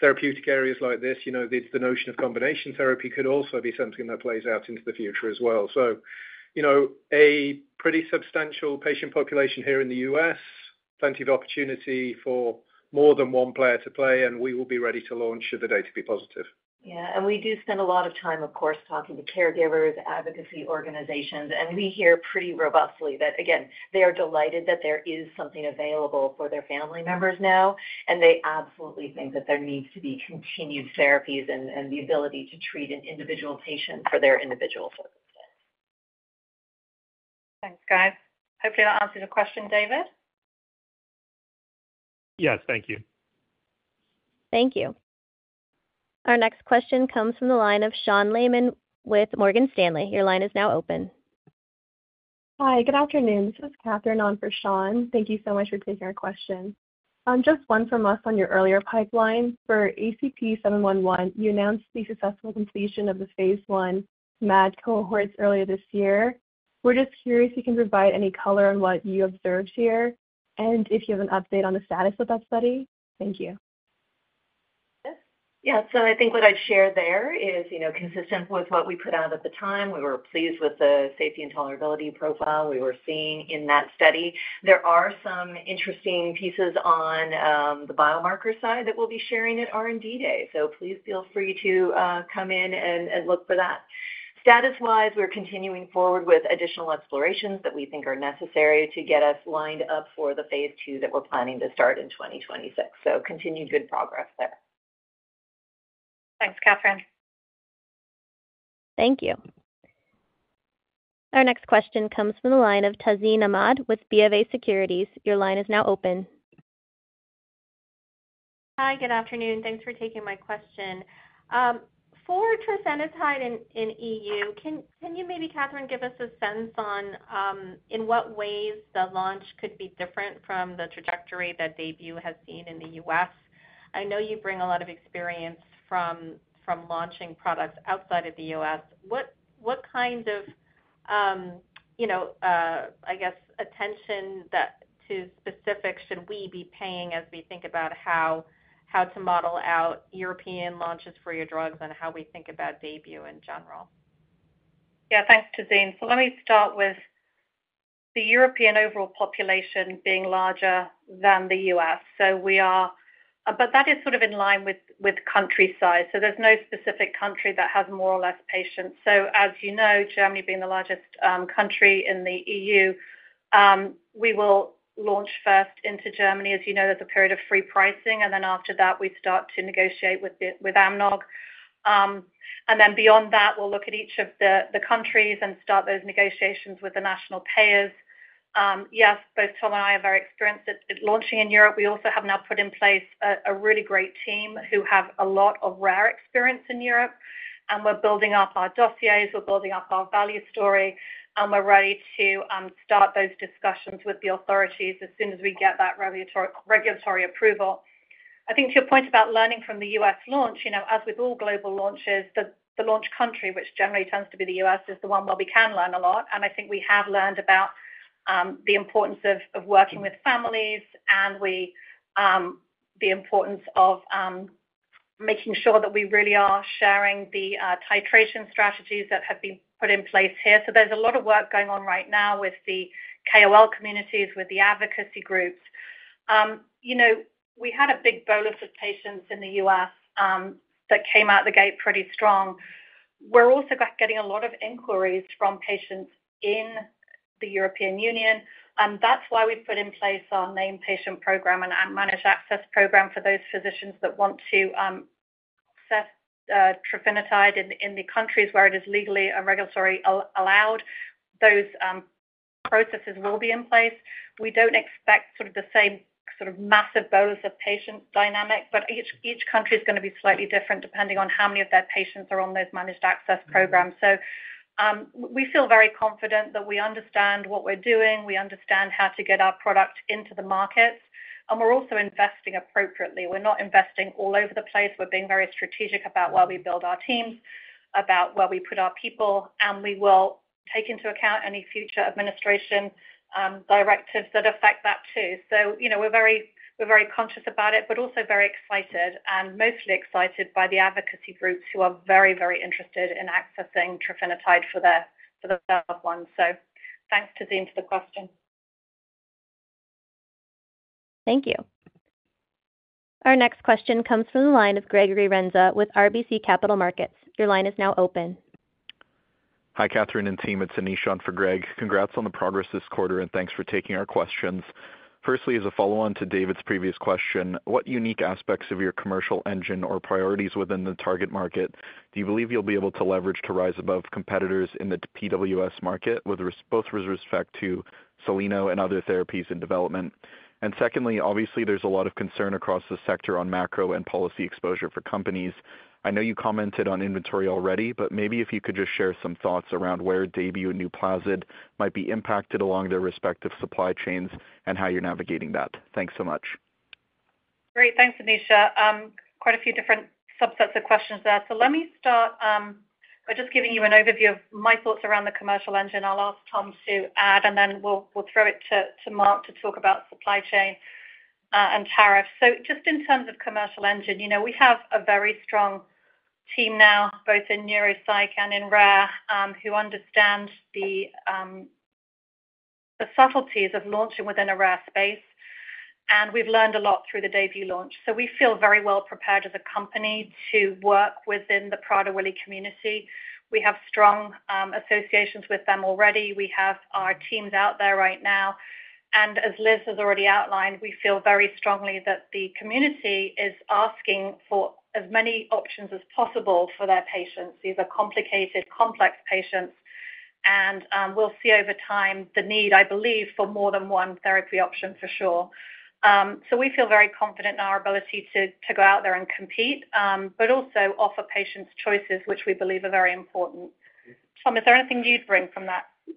therapeutic areas like this, the notion of combination therapy could also be something that plays out into the future as well. A pretty substantial patient population here in the U.S., plenty of opportunity for more than one player to play, and we will be ready to launch should the data be positive. Yeah. We do spend a lot of time, of course, talking to caregivers, advocacy organizations. We hear pretty robustly that, again, they are delighted that there is something available for their family members now. They absolutely think that there needs to be continued therapies and the ability to treat an individual patient for their individual circumstance. Thanks, guys. Hopefully, that answered your question, David. Yes. Thank you. Thank you. Our next question comes from the line of Sean Laaman with Morgan Stanley. Your line is now open. Hi. Good afternoon. This is Katherine on for Sean. Thank you so much for taking our question. Just one from us on your earlier pipeline. For ACP-711, you announced the successful completion of the phase I MAD cohorts earlier this year. We're just curious if you can provide any color on what you observed here and if you have an update on the status of that study. Thank you. Yeah. I think what I'd share there is consistent with what we put out at the time. We were pleased with the safety and tolerability profile we were seeing in that study. There are some interesting pieces on the biomarker side that we'll be sharing at R&D day. Please feel free to come in and look for that. Status-wise, we're continuing forward with additional explorations that we think are necessary to get us lined up for the phase two that we're planning to start in 2026. Continued good progress there. Thanks, Katherine. Thank you. Our next question comes from the line of Tazeen Ahmad with BofA Securities. Your line is now open. Hi. Good afternoon. Thanks for taking my question. For trofinetide in the EU, can you maybe, Catherine, give us a sense on in what ways the launch could be different from the trajectory that DAYBUE has seen in the U.S.? I know you bring a lot of experience from launching products outside of the U.S. What kinds of, I guess, attention to specifics should we be paying as we think about how to model out European launches for your drugs and how we think about DAYBUE in general? Yeah. Thanks, Tazeen. Let me start with the European overall population being larger than the U.S. That is sort of in line with countryside, so there is no specific country that has more or less patients. As you know, Germany being the largest country in the EU, we will launch first into Germany. As you know, there is a period of free pricing. After that, we start to negotiate with AMNOG. Beyond that, we will look at each of the countries and start those negotiations with the national payers. Yes, both Tom and I are very experienced at launching in Europe. We also have now put in place a really great team who have a lot of rare experience in Europe. We are building up our dossiers. We are building up our value story. We're ready to start those discussions with the authorities as soon as we get that regulatory approval. I think to your point about learning from the U.S. launch, as with all global launches, the launch country, which generally tends to be the U.S., is the one where we can learn a lot. I think we have learned about the importance of working with families and the importance of making sure that we really are sharing the titration strategies that have been put in place here. There is a lot of work going on right now with the KOL communities, with the advocacy groups. We had a big bolus of patients in the U.S. that came out the gate pretty strong. We're also getting a lot of inquiries from patients in the European Union. That is why we have put in place our main patient program and our managed access program for those physicians that want to access trofinetide in the countries where it is legally and regulatory allowed. Those processes will be in place. We do not expect the same sort of massive bolus of patient dynamic, but each country is going to be slightly different depending on how many of their patients are on those managed access programs. We feel very confident that we understand what we are doing. We understand how to get our product into the markets. We are also investing appropriately. We are not investing all over the place. We are being very strategic about where we build our teams, about where we put our people. We will take into account any future administration directives that affect that too. We're very conscious about it, but also very excited and mostly excited by the advocacy groups who are very, very interested in accessing trofinetide for their loved ones. So thanks, Tazeen, for the question. Thank you. Our next question comes from the line of Gregory Renza with RBC Capital Markets. Your line is now open. Hi, Catherine and team. It's Anish on for Greg. Congrats on the progress this quarter, and thanks for taking our questions. Firstly, as a follow-on to David's previous question, what unique aspects of your commercial engine or priorities within the target market do you believe you'll be able to leverage to rise above competitors in the PWS market, both with respect to Soleno and other therapies in development? Secondly, obviously, there's a lot of concern across the sector on macro and policy exposure for companies. I know you commented on inventory already, but maybe if you could just share some thoughts around where DAYBUE and NUPLAZID might be impacted along their respective supply chains and how you're navigating that. Thanks so much. Great. Thanks, Anish. Quite a few different subsets of questions there. Let me start by just giving you an overview of my thoughts around the commercial engine. I'll ask Tom to add, and then we'll throw it to Mark to talk about supply chain and tariffs. Just in terms of commercial engine, we have a very strong team now, both in neuropsych and in rare, who understand the subtleties of launching within a rare space. We've learned a lot through the DAYBUE launch. We feel very well prepared as a company to work within the Prader-Willi community. We have strong associations with them already. We have our teams out there right now. As Liz has already outlined, we feel very strongly that the community is asking for as many options as possible for their patients. These are complicated, complex patients. We will see over time the need, I believe, for more than one therapy option for sure. We feel very confident in our ability to go out there and compete, but also offer patients choices, which we believe are very important. Tom, is there anything you would bring from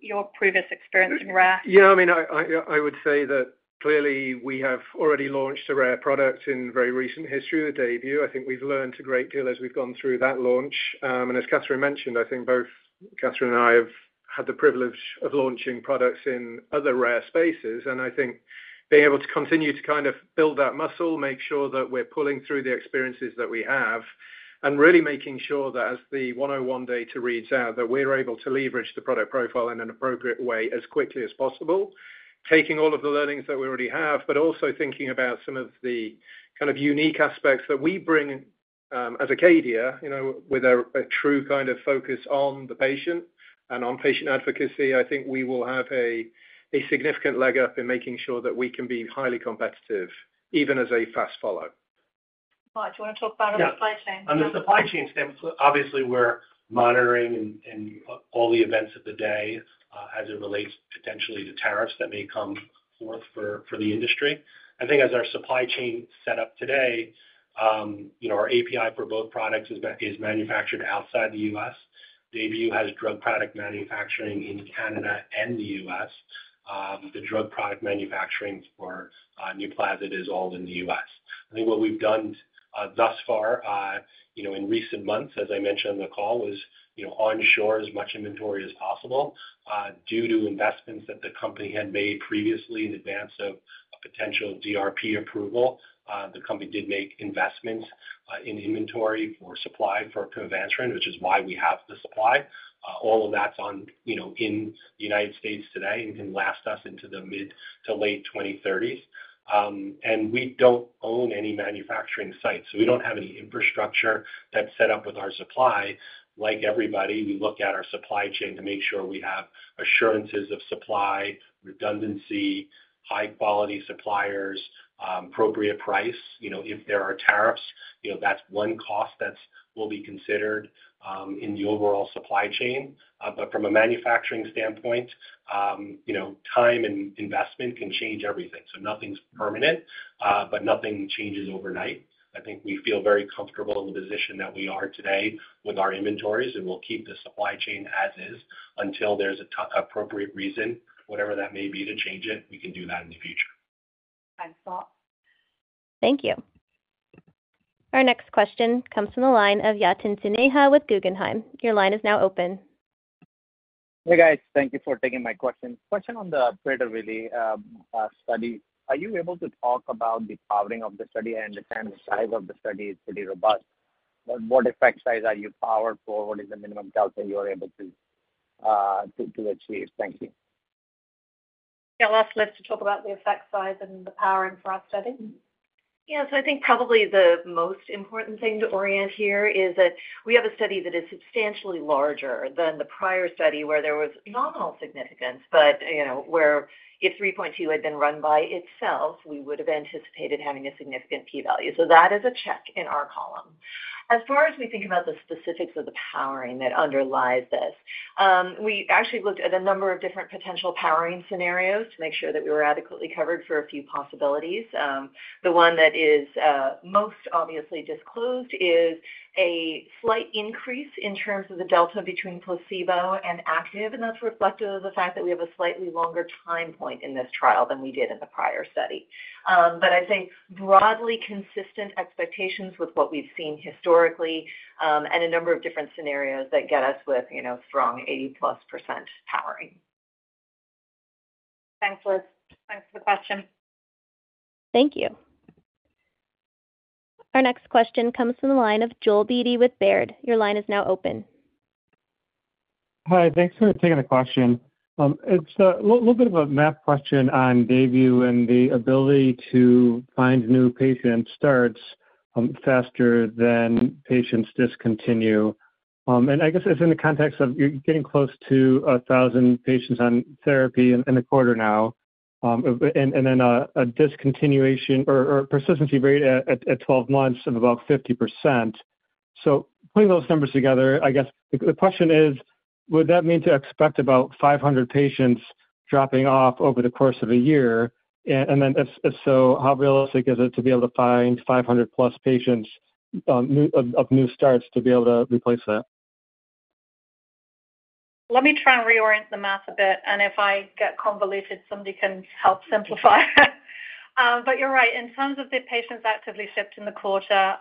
your previous experience in rare? Yeah. I mean, I would say that clearly we have already launched a rare product in very recent history with DAYBUE. I think we've learned a great deal as we've gone through that launch. As Catherine mentioned, I think both Catherine and I have had the privilege of launching products in other rare spaces. I think being able to continue to kind of build that muscle, make sure that we're pulling through the experiences that we have, and really making sure that as the 101 data reads out, that we're able to leverage the product profile in an appropriate way as quickly as possible, taking all of the learnings that we already have, but also thinking about some of the kind of unique aspects that we bring as Acadia with a true kind of focus on the patient and on patient advocacy. I think we will have a significant leg up in making sure that we can be highly competitive, even as a fast follow. Mark, do you want to talk about our supply chain? Yeah. On the supply chain standpoint, obviously, we're monitoring all the events of the day as it relates potentially to tariffs that may come forth for the industry. I think as our supply chain setup today, our API for both products is manufactured outside the U.S. DAYBUE has drug product manufacturing in Canada and the U.S. The drug product manufacturing for NUPLAZID is all in the U.S. I think what we've done thus far in recent months, as I mentioned on the call, was onshore as much inventory as possible due to investments that the company had made previously in advance of a potential DRP approval. The company did make investments in inventory for supply for pimavanserin, which is why we have the supply. All of that's in the United States today and can last us into the mid to late 2030s. We don't own any manufacturing sites. We do not have any infrastructure that is set up with our supply. Like everybody, we look at our supply chain to make sure we have assurances of supply, redundancy, high-quality suppliers, appropriate price. If there are tariffs, that is one cost that will be considered in the overall supply chain. From a manufacturing standpoint, time and investment can change everything. Nothing is permanent, but nothing changes overnight. I think we feel very comfortable in the position that we are today with our inventories, and we will keep the supply chain as is until there is an appropriate reason, whatever that may be, to change it. We can do that in the future. Excellent. Thank you. Our next question comes from the line of Yatin Suneja with Guggenheim. Your line is now open. Hey, guys. Thank you for taking my question. Question on the Prader-Willi study. Are you able to talk about the powering of the study? I understand the size of the study is pretty robust. What effect size are you powered for? What is the minimum calculation you are able to achieve? Thank you. Yeah. Last, Liz, to talk about the effect size and the powering for our study. Yeah. I think probably the most important thing to orient here is that we have a study that is substantially larger than the prior study where there was nominal significance, but where if 3.2 mg had been run by itself, we would have anticipated having a significant p-value. That is a check in our column. As far as we think about the specifics of the powering that underlies this, we actually looked at a number of different potential powering scenarios to make sure that we were adequately covered for a few possibilities. The one that is most obviously disclosed is a slight increase in terms of the delta between placebo and active. That is reflective of the fact that we have a slightly longer time point in this trial than we did in the prior study. I would say broadly consistent expectations with what we have seen historically and a number of different scenarios that get us with strong 80%+ powering. Thanks, Liz. Thanks for the question. Thank you. Our next question comes from the line of Joel Beatty with Baird. Your line is now open. Hi. Thanks for taking the question. It's a little bit of a math question on DAYBUE and the ability to find new patients starts faster than patients discontinue. I guess it's in the context of you're getting close to 1,000 patients on therapy in the quarter now, and then a discontinuation or persistency rate at 12 months of about 50%. Putting those numbers together, I guess the question is, would that mean to expect about 500 patients dropping off over the course of a year? If so, how realistic is it to be able to find 500+ patients of new starts to be able to replace that? Let me try and reorient the math a bit. If I get convoluted, somebody can help simplify it. You're right. In terms of the patients actively shipped in the quarter,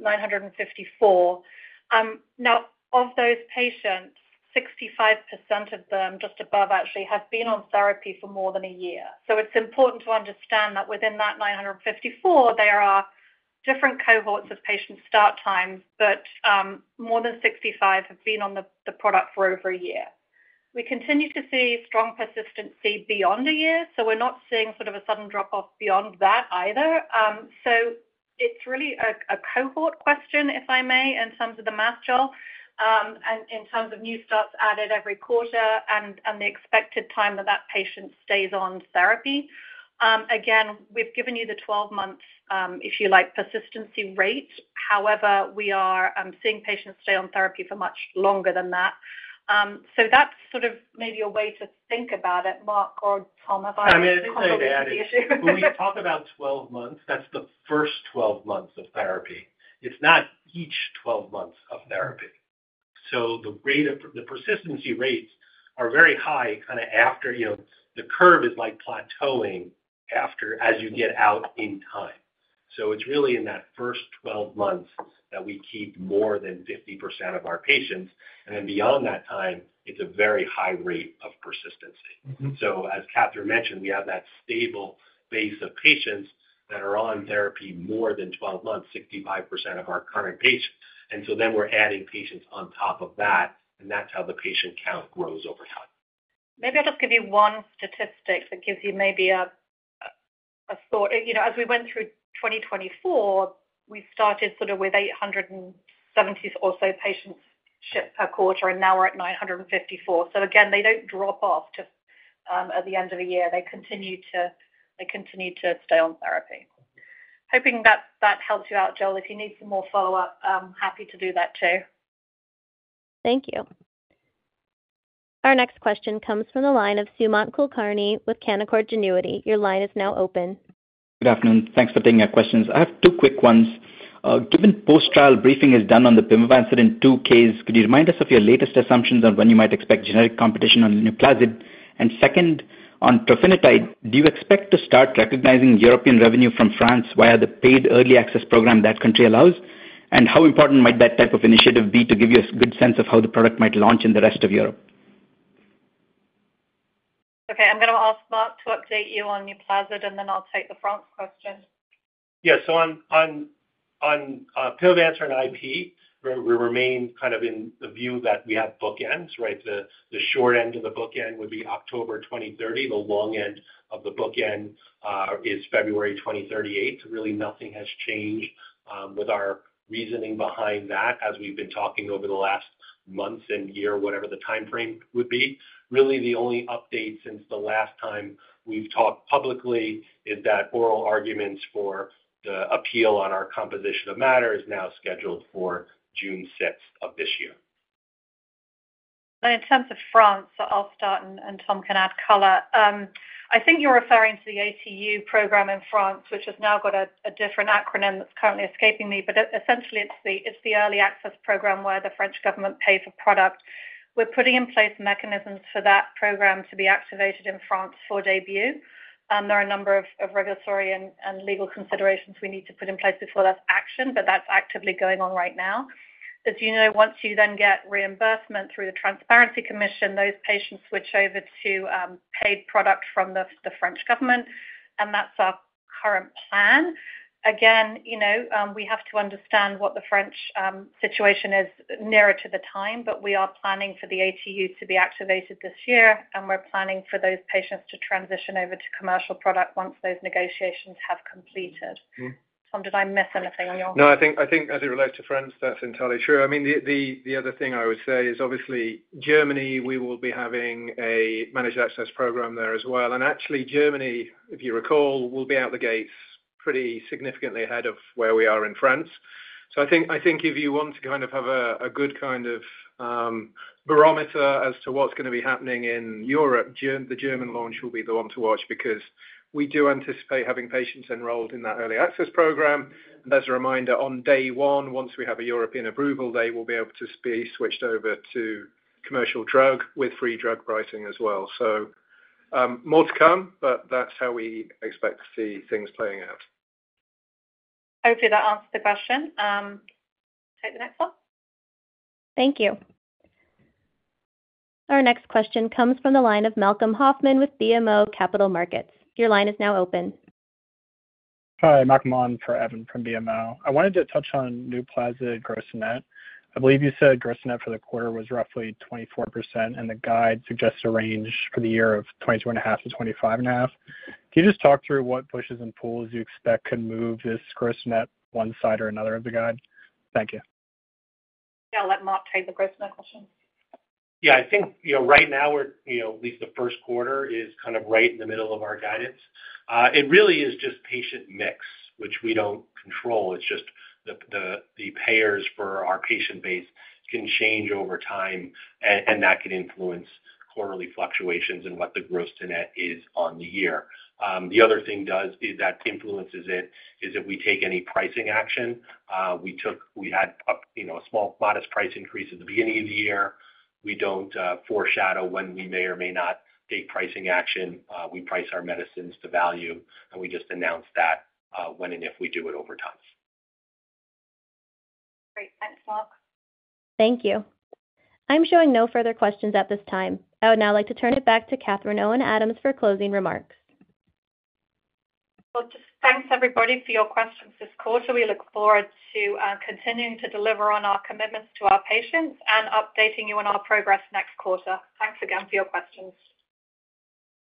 954. Of those patients, 65% of them, just above, actually, have been on therapy for more than a year. It's important to understand that within that 954, there are different cohorts of patient start times, but more than 65% have been on the product for over a year. We continue to see strong persistency beyond a year. We're not seeing sort of a sudden drop-off beyond that either. It's really a cohort question, if I may, in terms of the math, Joel, and in terms of new starts added every quarter and the expected time that that patient stays on therapy. Again, we've given you the 12-month, if you like, persistency rate. However, we are seeing patients stay on therapy for much longer than that. So that's sort of maybe a way to think about it. Mark or Tom, if I can add anything to that? When we talk about 12 months, that's the first 12 months of therapy. It's not each 12 months of therapy. The persistency rates are very high kind of after the curve is like plateauing as you get out in time. It's really in that first 12 months that we keep more than 50% of our patients. Beyond that time, it's a very high rate of persistency. As Catherine mentioned, we have that stable base of patients that are on therapy more than 12 months, 65% of our current patients. We are adding patients on top of that, and that's how the patient count grows over time. Maybe I'll just give you one statistic that gives you maybe a thought. As we went through 2024, we started sort of with 870 or so patients shipped per quarter, and now we're at 954. Again, they don't drop off at the end of the year. They continue to stay on therapy. Hoping that helps you out, Joel. If you need some more follow-up, happy to do that too. Thank you. Our next question comes from the line of Sumant Kulkarni with Canaccord Genuity. Your line is now open. Good afternoon. Thanks for taking our questions. I have two quick ones. Given post-trial briefing is done on the pimavanserin two case, could you remind us of your latest assumptions on when you might expect generic competition on NUPLAZID? Second, on trofinetide, do you expect to start recognizing European revenue from France via the paid early access program that country allows? How important might that type of initiative be to give you a good sense of how the product might launch in the rest of Europe? Okay. I'm going to ask Mark to update you on NUPLAZID, and then I'll take the France question. Yeah. On pimavanserin IP, we remain kind of in the view that we have bookends, right? The short end of the bookend would be October 2030. The long end of the bookend is February 2038. Really, nothing has changed with our reasoning behind that as we have been talking over the last month and year, whatever the timeframe would be. Really, the only update since the last time we have talked publicly is that oral arguments for the appeal on our composition of matter is now scheduled for June 6th of this year. In terms of France, I'll start, and Tom can add color. I think you're referring to the ATU program in France, which has now got a different acronym that's currently escaping me. Essentially, it's the early access program where the French government pays a product. We're putting in place mechanisms for that program to be activated in France for DAYBUE. There are a number of regulatory and legal considerations we need to put in place before that's action, but that's actively going on right now. As you know, once you then get reimbursement through the Transparency Commission, those patients switch over to paid product from the French government. That's our current plan. Again, we have to understand what the French situation is nearer to the time, but we are planning for the ATU to be activated this year, and we're planning for those patients to transition over to commercial product once those negotiations have completed. Tom, did I miss anything on your side? No, I think as it relates to France, that's entirely true. I mean, the other thing I would say is obviously Germany, we will be having a managed access program there as well. Actually, Germany, if you recall, will be out the gates pretty significantly ahead of where we are in France. I think if you want to kind of have a good kind of barometer as to what's going to be happening in Europe, the German launch will be the one to watch because we do anticipate having patients enrolled in that early access program. As a reminder, on day one, once we have a European approval, they will be able to be switched over to commercial drug with free drug pricing as well. More to come, but that's how we expect to see things playing out. Hopefully, that answers the question. Take the next one. Thank you. Our next question comes from the line of Malcolm Hoffman with BMO Capital Markets. Your line is now open. Hi. Malc Hoffman for Evan from BMO. I wanted to touch on NUPLAZID gross-to-net. I believe you said gross-to-net for the quarter was roughly 24%, and the guide suggests a range for the year of 22.5%-25.5%. Can you just talk through what pushes and pulls you expect can move this gross-to-net one side or another of the guide? Thank you. Yeah. Let Mark take the gross-to-net question. Yeah. I think right now, at least the first quarter is kind of right in the middle of our guidance. It really is just patient mix, which we do not control. It is just the payers for our patient base can change over time, and that can influence quarterly fluctuations in what the gross-to-net is on the year. The other thing that influences it is if we take any pricing action. We had a small modest price increase at the beginning of the year. We do not foreshadow when we may or may not take pricing action. We price our medicines to value, and we just announce that when and if we do it over time. Great. Thanks, Mark. Thank you. I'm showing no further questions at this time. I would now like to turn it back to Catherine Owen Adams for closing remarks. Thanks, everybody, for your questions this quarter. We look forward to continuing to deliver on our commitments to our patients and updating you on our progress next quarter. Thanks again for your questions.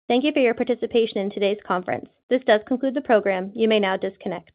Thank you for your participation in today's conference. This does conclude the program. You may now disconnect.